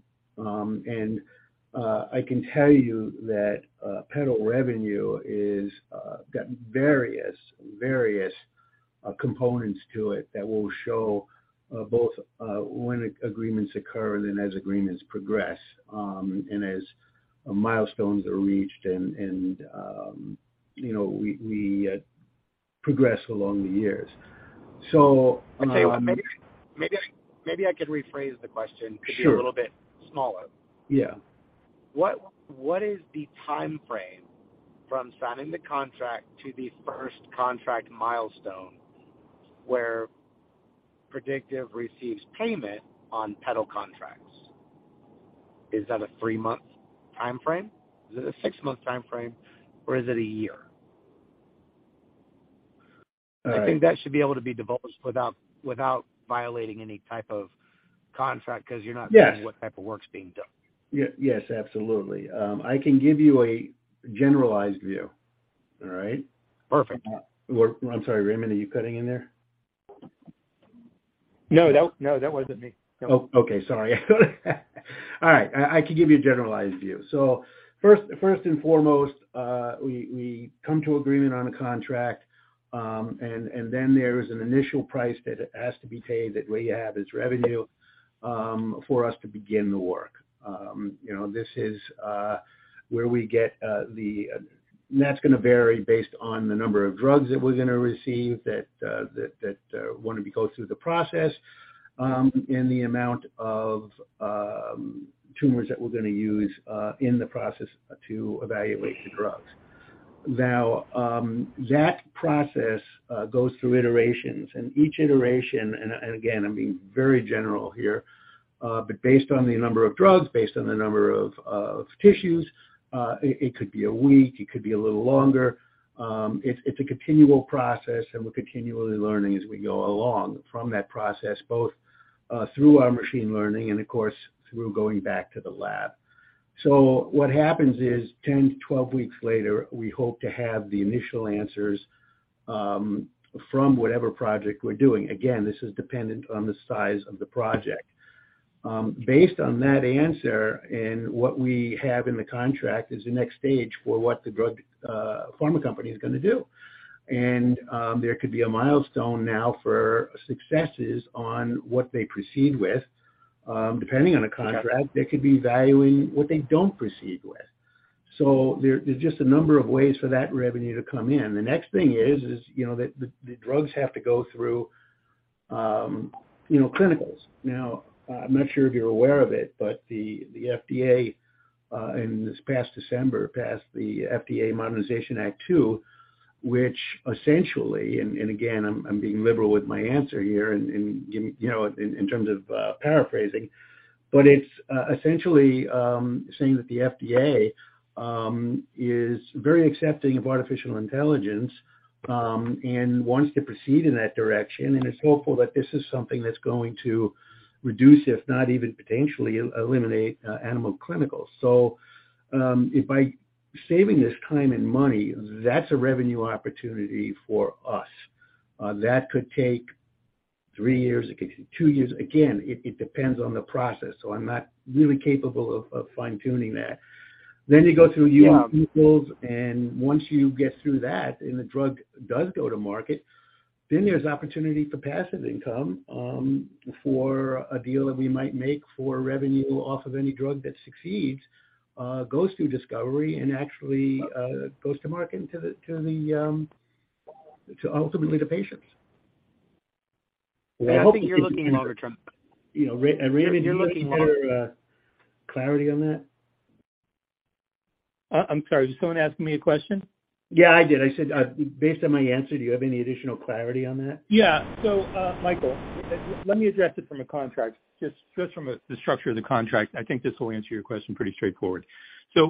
I can tell you that PeDAL Revenue is got various components to it that will show both when agreements occur and then as agreements progress, and as milestones are reached and, you know, we progress along the years. I'll tell you what, maybe I could rephrase the question. Sure. to be a little bit smaller. Yeah. What is the timeframe from signing the contract to the first contract milestone where Predictive receives payment on PeDAL contracts? Is that a three-month timeframe? Is it a six-month timeframe, or is it a year? All right. I think that should be able to be divulged without violating any type of contract. Yes. 'Cause you're not saying what type of work's being done. Yes, absolutely. I can give you a generalized view. All right? Perfect. I'm sorry, Raymond, are you cutting in there? No, that wasn't me. No. Oh, okay. Sorry. All right. I can give you a generalized view. First and foremost, we come to agreement on a contract, and then there is an initial price that has to be paid that we have as revenue, for us to begin the work. you know, this is where we get the... That's gonna vary based on the number of drugs that we're gonna receive that wanna go through the process, and the amount of tumors that we're gonna use, in the process to evaluate the drugs. That process goes through iterations, and each iteration, and again, I'm being very general here, but based on the number of drugs, based on the number of tissues, it could be a week, it could be a little longer. It's a continual process, and we're continually learning as we go along from that process, both through our machine learning and of course through going back to the lab. What happens is 10-12 weeks later, we hope to have the initial answers from whatever project we're doing. Again, this is dependent on the size of the project. Based on that answer and what we have in the contract is the next stage for what the drug pharma company is gonna do. There could be a milestone now for successes on what they proceed with. Depending on the contract- Okay. They could be valuing what they don't proceed with. There's just a number of ways for that revenue to come in. The next thing is, you know, the drugs have to go through, you know, clinicals. I'm not sure if you're aware of it, but the FDA, in this past December, passed the FDA Modernization Act 2.0, which essentially, and again, I'm being liberal with my answer here in, you know, in terms of paraphrasing. It's essentially saying that the FDA is very accepting of artificial intelligence and wants to proceed in that direction, and is hopeful that this is something that's going to reduce, if not even potentially eliminate, animal clinicals. By saving us time and money, that's a revenue opportunity for us. That could take three years, it could take two years. It depends on the process, so I'm not really capable of fine-tuning that. You go through... Yeah. Sequels, once you get through that and the drug does go to market, there's opportunity for passive income, for a deal that we might make for revenue off of any drug that succeeds, goes through discovery and actually, goes to market and to ultimately the patients. Well, I hope- I think you're looking longer term. You know, Raymond. You're looking longer. Do you want some better clarity on that? I'm sorry, did someone ask me a question? Yeah, I did. I said, based on my answer, do you have any additional clarity on that? Michael, let me address it from a contract. Just from the structure of the contract. I think this will answer your question pretty straightforward.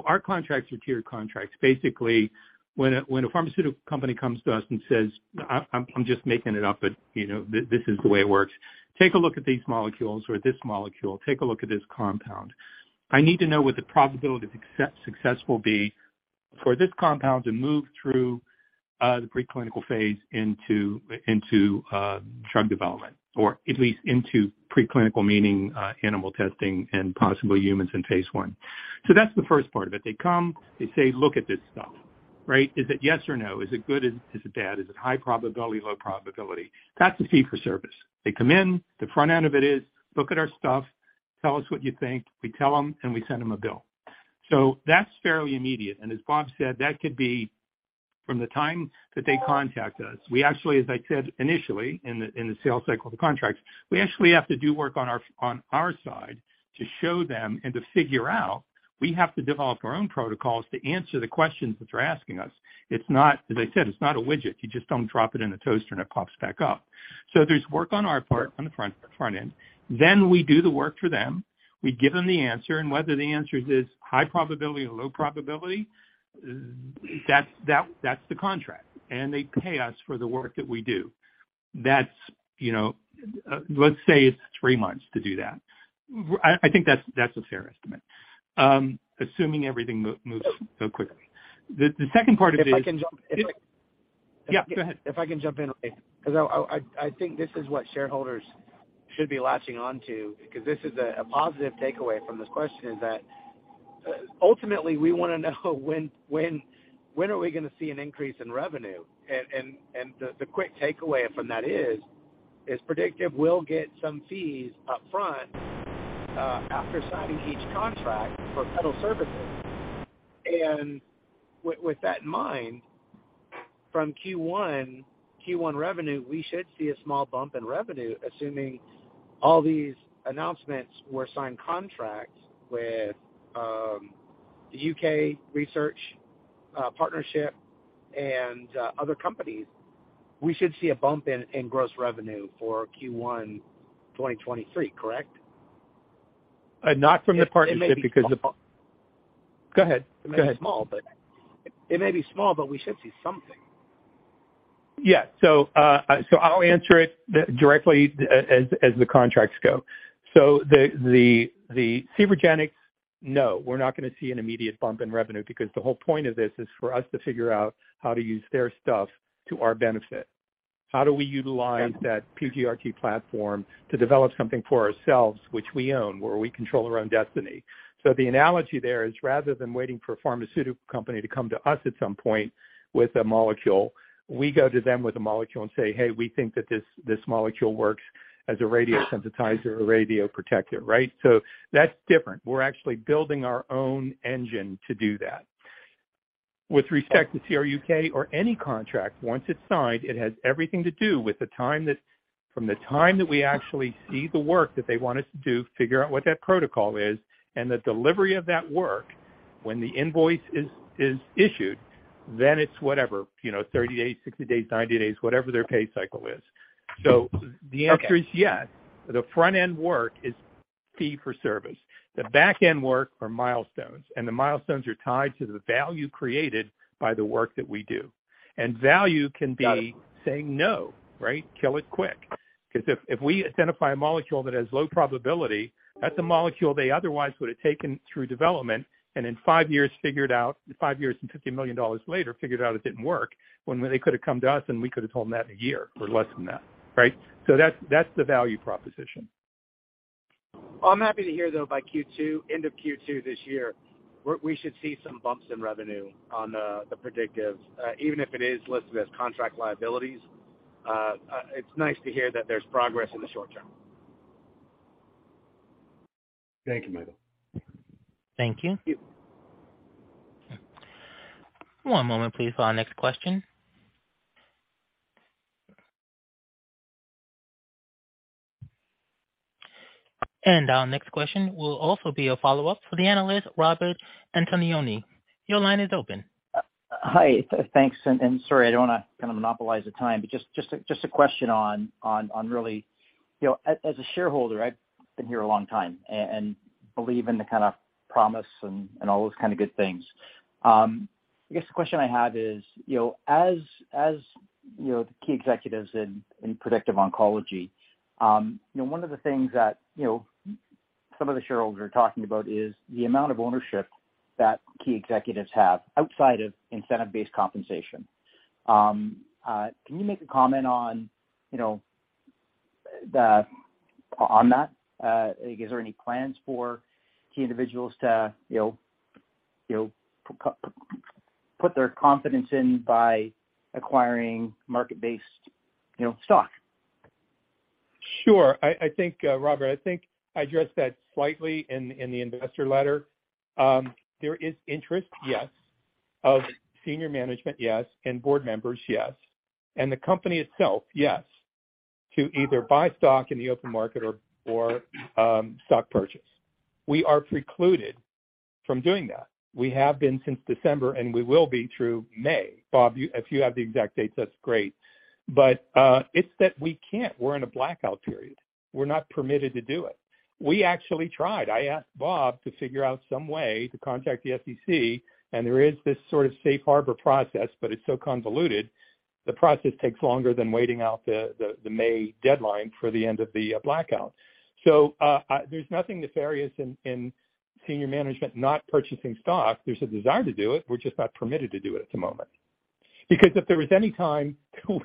Our contracts are tiered contracts. Basically, when a pharmaceutical company comes to us and says, I'm just making it up, but you know, this is the way it works. Take a look at these molecules or this molecule. Take a look at this compound. I need to know what the probability of success will be for this compound to move through the preclinical phase into drug development, or at least into preclinical, meaning animal testing and possibly humans in phase I. That's the first part of it. They come, they say, "Look at this stuff." Right? Is it yes or no? Is it good? Is it bad? Is it high probability, low probability? That's a fee for service. They come in, the front end of it is, "Look at our stuff. Tell us what you think." We tell them, and we send them a bill. That's fairly immediate. As Bob said, that could be from the time that they contact us. We actually, as I said initially in the, in the sales cycle of the contract, we actually have to do work on our, on our side to show them and to figure out, we have to develop our own protocols to answer the questions that they're asking us. It's not, as I said, it's not a widget. You just don't drop it in a toaster and it pops back up. There's work on our part on the front end. We do the work for them. We give them the answer, and whether the answer is high probability or low probability, that's the contract. They pay us for the work that we do. That's, you know, let's say it's three months to do that. I think that's a fair estimate, assuming everything moves so quickly. The second part of it. If I can jump. Yeah, go ahead. If I can jump in, okay. Because I think this is what shareholders should be latching on to because this is a positive takeaway from this question is that, ultimately, we want to know when are we going to see an increase in revenue. The quick takeaway from that is Predictive will get some fees up front after signing each contract for federal services. With that in mind, from Q1 revenue, we should see a small bump in revenue, assuming all these announcements were signed contracts with the U.K. research partnership and other companies. We should see a bump in gross revenue for Q1 2023, correct? Not from the partnership because It may be small. Go ahead. Go ahead. It may be small, but we should see something. Yeah. I'll answer it directly as the contracts go. The Cvergenx, no, we're not gonna see an immediate bump in revenue because the whole point of this is for us to figure out how to use their stuff to our benefit. How do we utilize that pGRT platform to develop something for ourselves which we own, where we control our own destiny? The analogy there is rather than waiting for a pharmaceutical company to come to us at some point with a molecule, we go to them with a molecule and say, "Hey, we think that this molecule works as a radiosensitizer or radioprotective." Right? That's different. We're actually building our own engine to do that. With respect to CRUK or any contract, once it's signed, it has everything to do with from the time that we actually see the work that they want us to do, figure out what that protocol is, and the delivery of that work when the invoice is issued, then it's whatever, you know, 30 days, 60 days, 90 days, whatever their pay cycle is. The answer is yes. The front-end work is fee for service. The backend work are milestones, and the milestones are tied to the value created by the work that we do. Value can be saying no, right? Kill it quick. If we identify a molecule that has low probability, that's a molecule they otherwise would have taken through development, and in five years figured out, five years and $50 million later, figured out it didn't work when they could have come to us and we could have told them that in one year or less than that, right. That's the value proposition. I'm happy to hear, though, by Q2, end of Q2 this year, we should see some bumps in revenue on the Predictives, even if it is listed as contract liabilities. It's nice to hear that there's progress in the short term. Thank you, Michael. Thank you. Thank you. One moment, please, for our next question. Our next question will also be a follow-up for the analyst, Robert Antonioni. Your line is open. Hi. Thanks, and sorry, I don't wanna kinda monopolize the time, but just a question on really, you know, as a shareholder, I've been here a long time and believe in the kind of promise and all those kind of good things. I guess the question I have is, you know, as you know, the key executives in Predictive Oncology, you know, one of the things that, you know, some of the shareholders are talking about is the amount of ownership that key executives have outside of incentive-based compensation. Can you make a comment on, you know, on that? Is there any plans for key individuals to, you know, put their confidence in by acquiring market-based, you know, stock? Sure. I think, Robert, I think I addressed that slightly in the investor letter. There is interest, yes, of senior management, yes, and board members, yes, and the company itself, yes, to either buy stock in the open market or stock purchase. We are precluded from doing that. We have been since December. We will be through May. Bob, if you have the exact dates, that's great. It's that we can't. We're in a blackout period. We're not permitted to do it. We actually tried. I asked Bob to figure out some way to contact the SEC. There is this sort of safe harbor process. It's so convoluted. The process takes longer than waiting out the May deadline for the end of the blackout. There's nothing nefarious in senior management not purchasing stock. There's a desire to do it. We're just not permitted to do it at the moment. If there was any time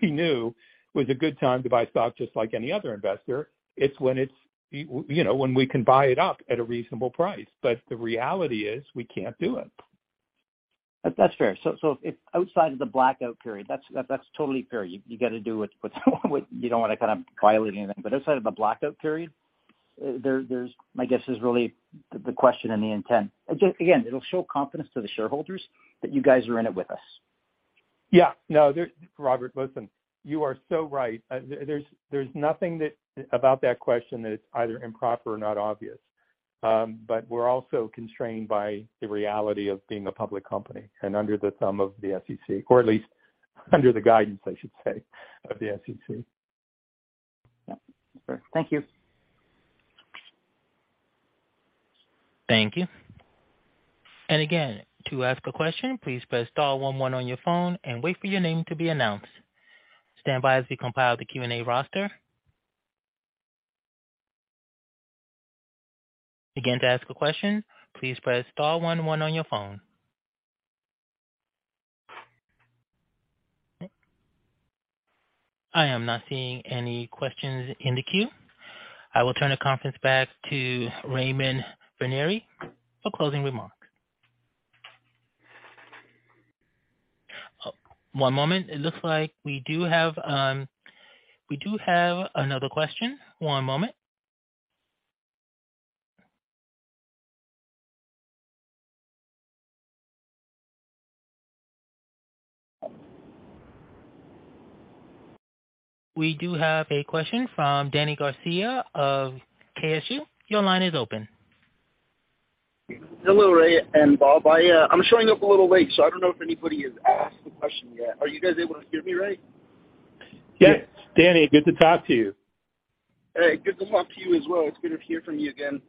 we knew was a good time to buy stock just like any other investor, it's when it's, you know, when we can buy it up at a reasonable price. The reality is we can't do it. That's fair. If outside of the blackout period, that's totally fair. You gotta do what you don't wanna kinda violate anything. Outside of the blackout period, there's my guess is really the question and the intent. It'll show confidence to the shareholders that you guys are in it with us. Yeah. No. Robert, listen, you are so right. There's nothing about that question that it's either improper or not obvious. We're also constrained by the reality of being a public company and under the thumb of the SEC, or at least under the guidance, I should say, of the SEC. Yeah. Thank you. Thank you. Again, to ask a question, please press star one one on your phone and wait for your name to be announced. Stand by as we compile the Q&A roster. Again, to ask a question, please press star one one on your phone. I am not seeing any questions in the queue. I will turn the conference back to Raymond Vennare for closing remarks. One moment. It looks like we do have another question. One moment. We do have a question from Danny Garcia of KSU. Your line is open. Hello, Ray and Bob. I'm showing up a little late, so I don't know if anybody has asked the question yet. Are you guys able to hear me, Ray? Yes. Danny, good to talk to you. Hey, good to talk to you as well. It's good to hear from you again.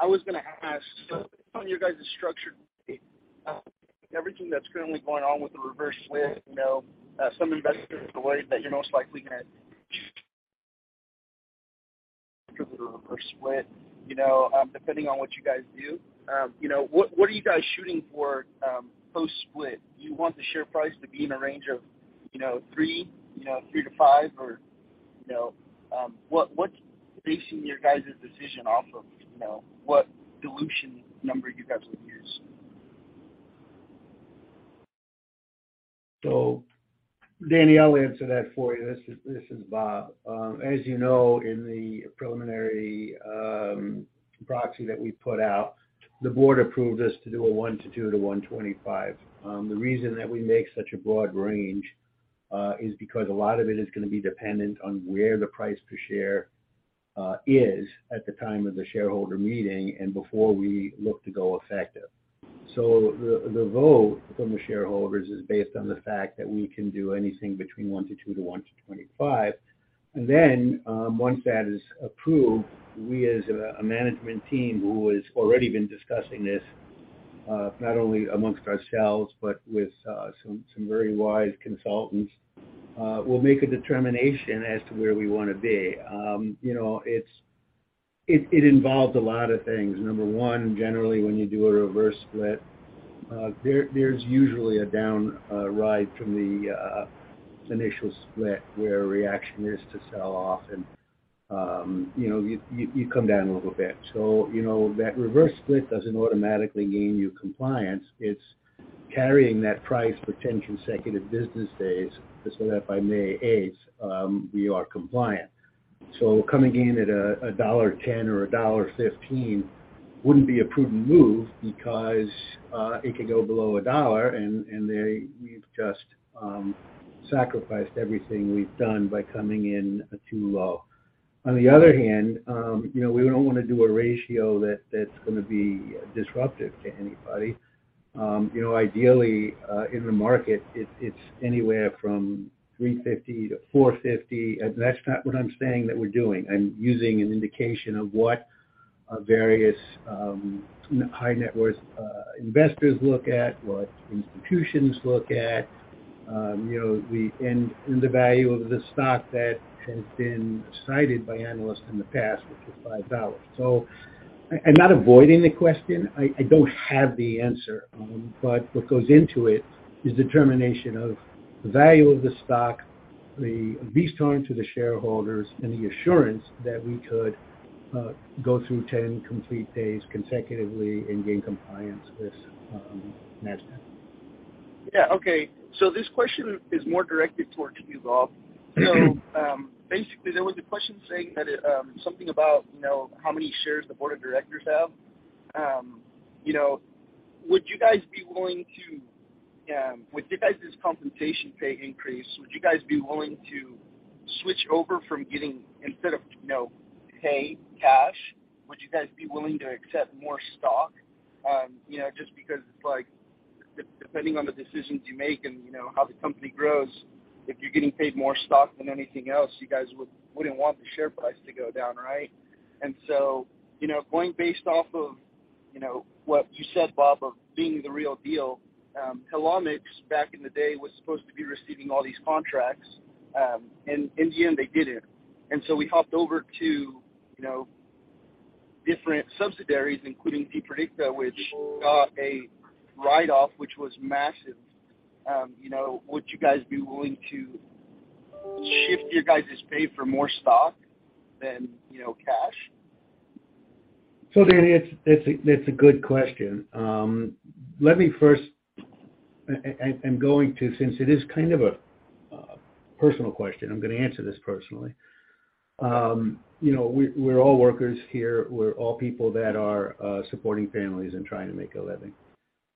I was gonna ask, depending on you guys' structure, everything that's currently going on with the reverse split, you know, some investors believe that you're most likely gonna reverse split, you know, depending on what you guys do. you know, what are you guys shooting for post-split? Do you want the share price to be in a range of, you know, $3-$5? Or, you know, what's basing your guys' decision off of, you know, what dilution number you guys will use? Danny, I'll answer that for you. This is Bob. As you know, in the preliminary proxy that we put out, the board approved us to do a one to two to one to 25. The reason that we make such a broad range is because a lot of it is gonna be dependent on where the price per share is at the time of the shareholder meeting and before we look to go effective. The vote from the shareholders is based on the fact that we can do anything between one to two to one to 25. Once that is approved, we as a management team who has already been discussing this, not only amongst ourselves but with some very wise consultants, we'll make a determination as to where we wanna be. You know, it involves a lot of things. Number one, generally, when you do a reverse split, there's usually a down ride from the initial split where reaction is to sell off and, you know, you come down a little bit. You know, that reverse split doesn't automatically gain you compliance. It's carrying that price for 10 consecutive business days so that by May 8th, we are compliant. Coming in at a $1.10 or a $1.15 wouldn't be a prudent move because it could go below a dollar and we've just sacrificed everything we've done by coming in too low. On the other hand, you know, we don't wanna do a ratio that's gonna be disruptive to anybody. you know, ideally, in the market, it's anywhere from $3.50-$4.50. That's not what I'm saying that we're doing. I'm using an indication of what various, high net worth, investors look at, what institutions look at. you know, and the value of the stock that has been cited by analysts in the past, which is $5. I'm not avoiding the question. I don't have the answer. What goes into it is determination of the value of the stock, the return to the shareholders, and the assurance that we could go through 10 complete days consecutively and gain compliance with NASDAQ. Yeah. Okay. This question is more directed towards you, Bob. Mm-hmm. Basically, there was a question saying that, something about, you know, how many shares the board of directors have. You know, would you guys be willing to, with you guys' compensation pay increase, would you guys be willing to switch over from getting instead of, you know, pay, cash, would you guys be willing to accept more stock? You know, just because it's like depending on the decisions you make and you know, how the company grows, if you're getting paid more stock than anything else, you guys wouldn't want the share price to go down. Right? You know, going based off of, you know, what you said, Bob, of being the real deal, Helomics back in the day was supposed to be receiving all these contracts, and in the end, they didn't. We hopped over to, you know, different subsidiaries, including zPREDICTA, which got a write-off, which was massive. You know, would you guys be willing to shift your guys' pay for more stock than, you know, cash? Danny, it's a good question. Let me first, I'm going to, since it is kind of a personal question, I'm gonna answer this personally. You know, we're all workers here. We're all people that are supporting families and trying to make a living.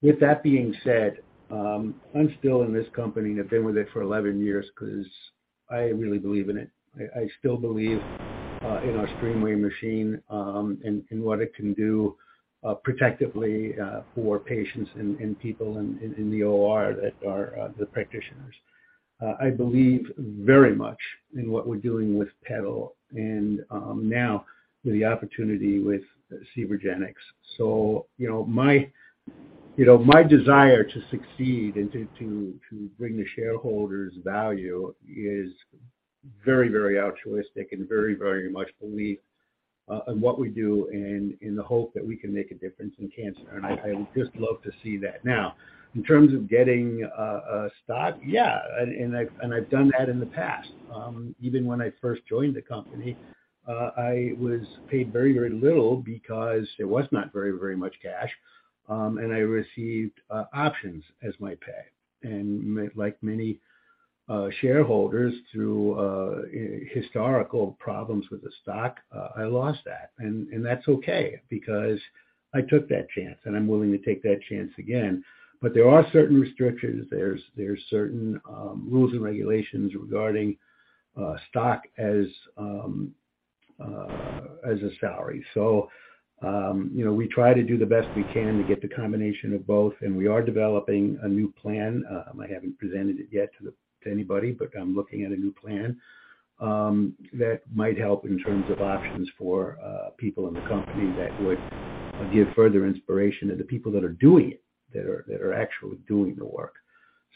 With that being said, I'm still in this company and have been with it for 11 years because I really believe in it. I still believe in our STREAMWAY machine, and what it can do protectively for patients and people in the OR that are the practitioners. I believe very much in what we're doing with PeDAL and now the opportunity with Cvergenx. You know, my, you know, my desire to succeed and to bring the shareholders value is very altruistic and very much belief in what we do and in the hope that we can make a difference in cancer. I would just love to see that. Now, in terms of getting stock, yeah. I've done that in the past. Even when I first joined the company, I was paid very little because there was not very much cash. I received options as my pay. Like many shareholders through historical problems with the stock, I lost that. That's okay because I took that chance, and I'm willing to take that chance again. There are certain restrictions. There's certain rules and regulations regarding stock as a salary. You know, we try to do the best we can to get the combination of both, and we are developing a new plan. I haven't presented it yet to anybody, but I'm looking at a new plan that might help in terms of options for people in the company that would give further inspiration to the people that are actually doing the work.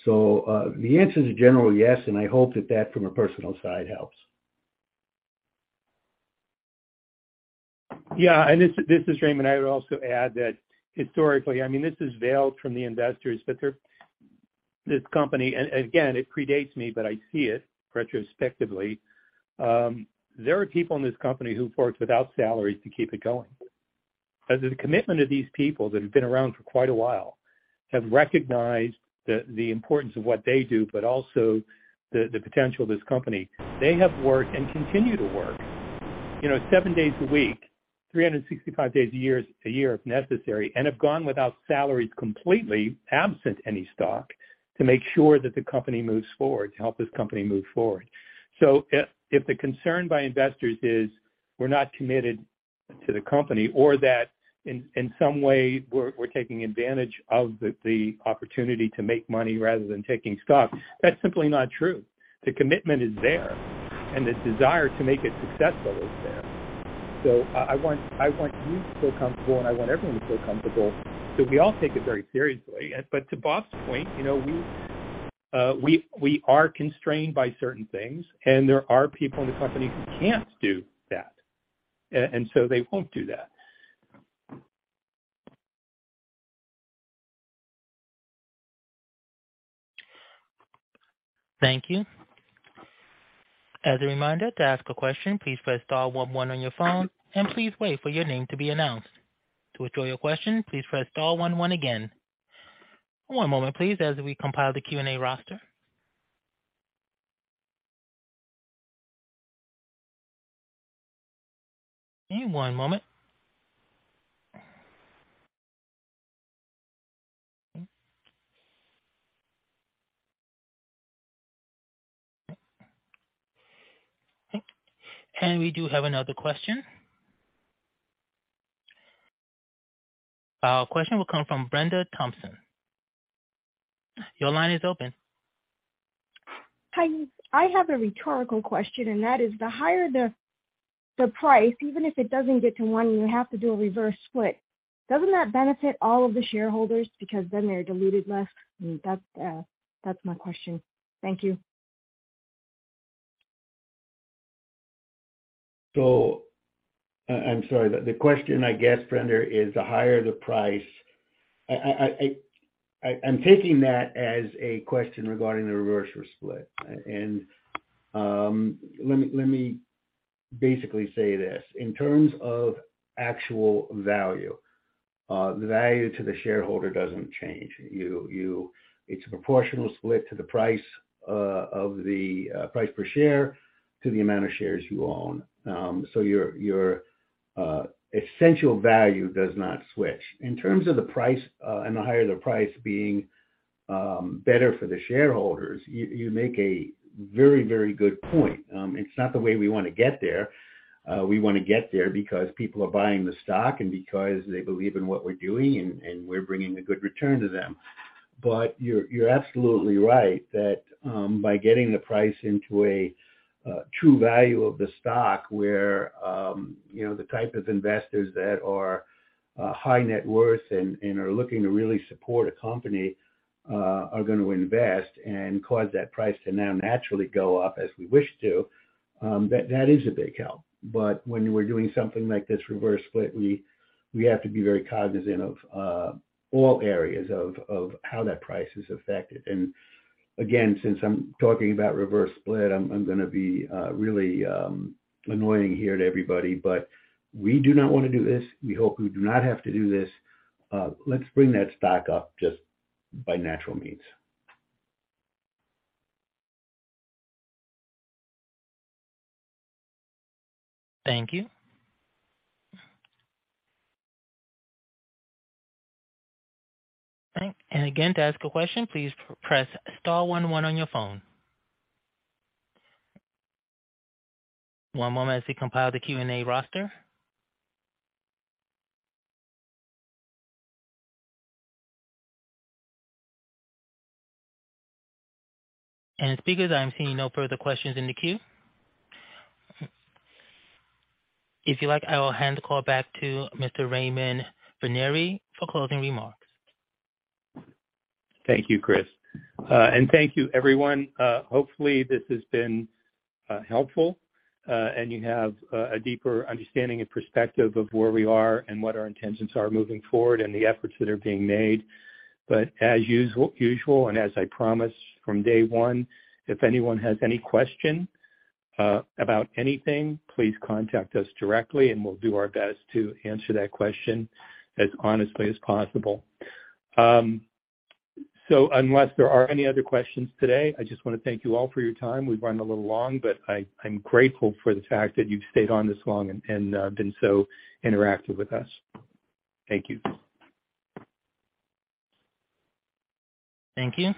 The answer is general yes, and I hope that that from a personal side helps. Yeah. This is Raymond. I would also add that historically, I mean, this is veiled from the investors. This company, again, it predates me, but I see it retrospectively. There are people in this company who've worked without salaries to keep it going. As the commitment of these people that have been around for quite a while have recognized the importance of what they do, but also the potential of this company. They have worked and continue to work, you know, seven days a week, 365 days a year if necessary, and have gone without salaries completely absent any stock to make sure that the company moves forward, to help this company move forward. If, if the concern by investors is we're not committed to the company or that in some way we're taking advantage of the opportunity to make money rather than taking stock, that's simply not true. The commitment is there, and the desire to make it successful is there. I want you to feel comfortable, and I want everyone to feel comfortable that we all take it very seriously. To Bob's point, you know, we are constrained by certain things, and there are people in the company who can't do that. They won't do that. Thank you. As a reminder to ask a question, please press star one one on your phone and please wait for your name to be announced. To withdraw your question, please press star one one again. One moment, please, as we compile the Q&A roster. One moment. We do have another question. Question will come from Brenda Thompson. Your line is open. Hi. I have a rhetorical question, and that is the higher the price, even if it doesn't get to one and you have to do a reverse split, doesn't that benefit all of the shareholders because then they're diluted less? That's my question. Thank you. I'm sorry. The question, I guess, Brenda Thompson, is the higher the price... I'm taking that as a question regarding the reverse split. Let me basically say this. In terms of actual value, the value to the shareholder doesn't change. It's a proportional split to the price of the price per share to the amount of shares you own. Your essential value does not switch. In terms of the price, and the higher the price being better for the shareholders, you make a very, very good point. It's not the way we wanna get there. We wanna get there because people are buying the stock and because they believe in what we're doing and we're bringing a good return to them. You're absolutely right that by getting the price into a true value of the stock where the type of investors that are high net worth and are looking to really support a company are gonna invest and cause that price to now naturally go up as we wish to, that is a big help. When we're doing something like this reverse split, we have to be very cognizant of all areas of how that price is affected. Again, since I'm talking about reverse split, I'm gonna be really annoying here to everybody, but we do not wanna do this. We hope we do not have to do this. Let's bring that stock up just by natural means. Thank you. All right. Again, to ask a question, please press star one one on your phone. One moment as we compile the Q&A roster. Speakers, I'm seeing no further questions in the queue. If you like, I will hand the call back to Mr. Raymond Vennare for closing remarks. Thank you, Chris. Thank you, everyone. Hopefully, this has been helpful, and you have a deeper understanding and perspective of where we are and what our intentions are moving forward and the efforts that are being made. As usual, and as I promised from day one, if anyone has any question, about anything, please contact us directly and we'll do our best to answer that question as honestly as possible. Unless there are any other questions today, I just wanna thank you all for your time. We've run a little long, but I'm grateful for the fact that you've stayed on this long and been so interactive with us. Thank you. Thank you.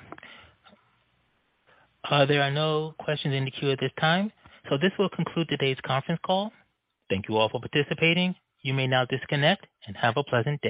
There are no questions in the queue at this time. This will conclude today's conference call. Thank you all for participating. You may now disconnect and have a pleasant day.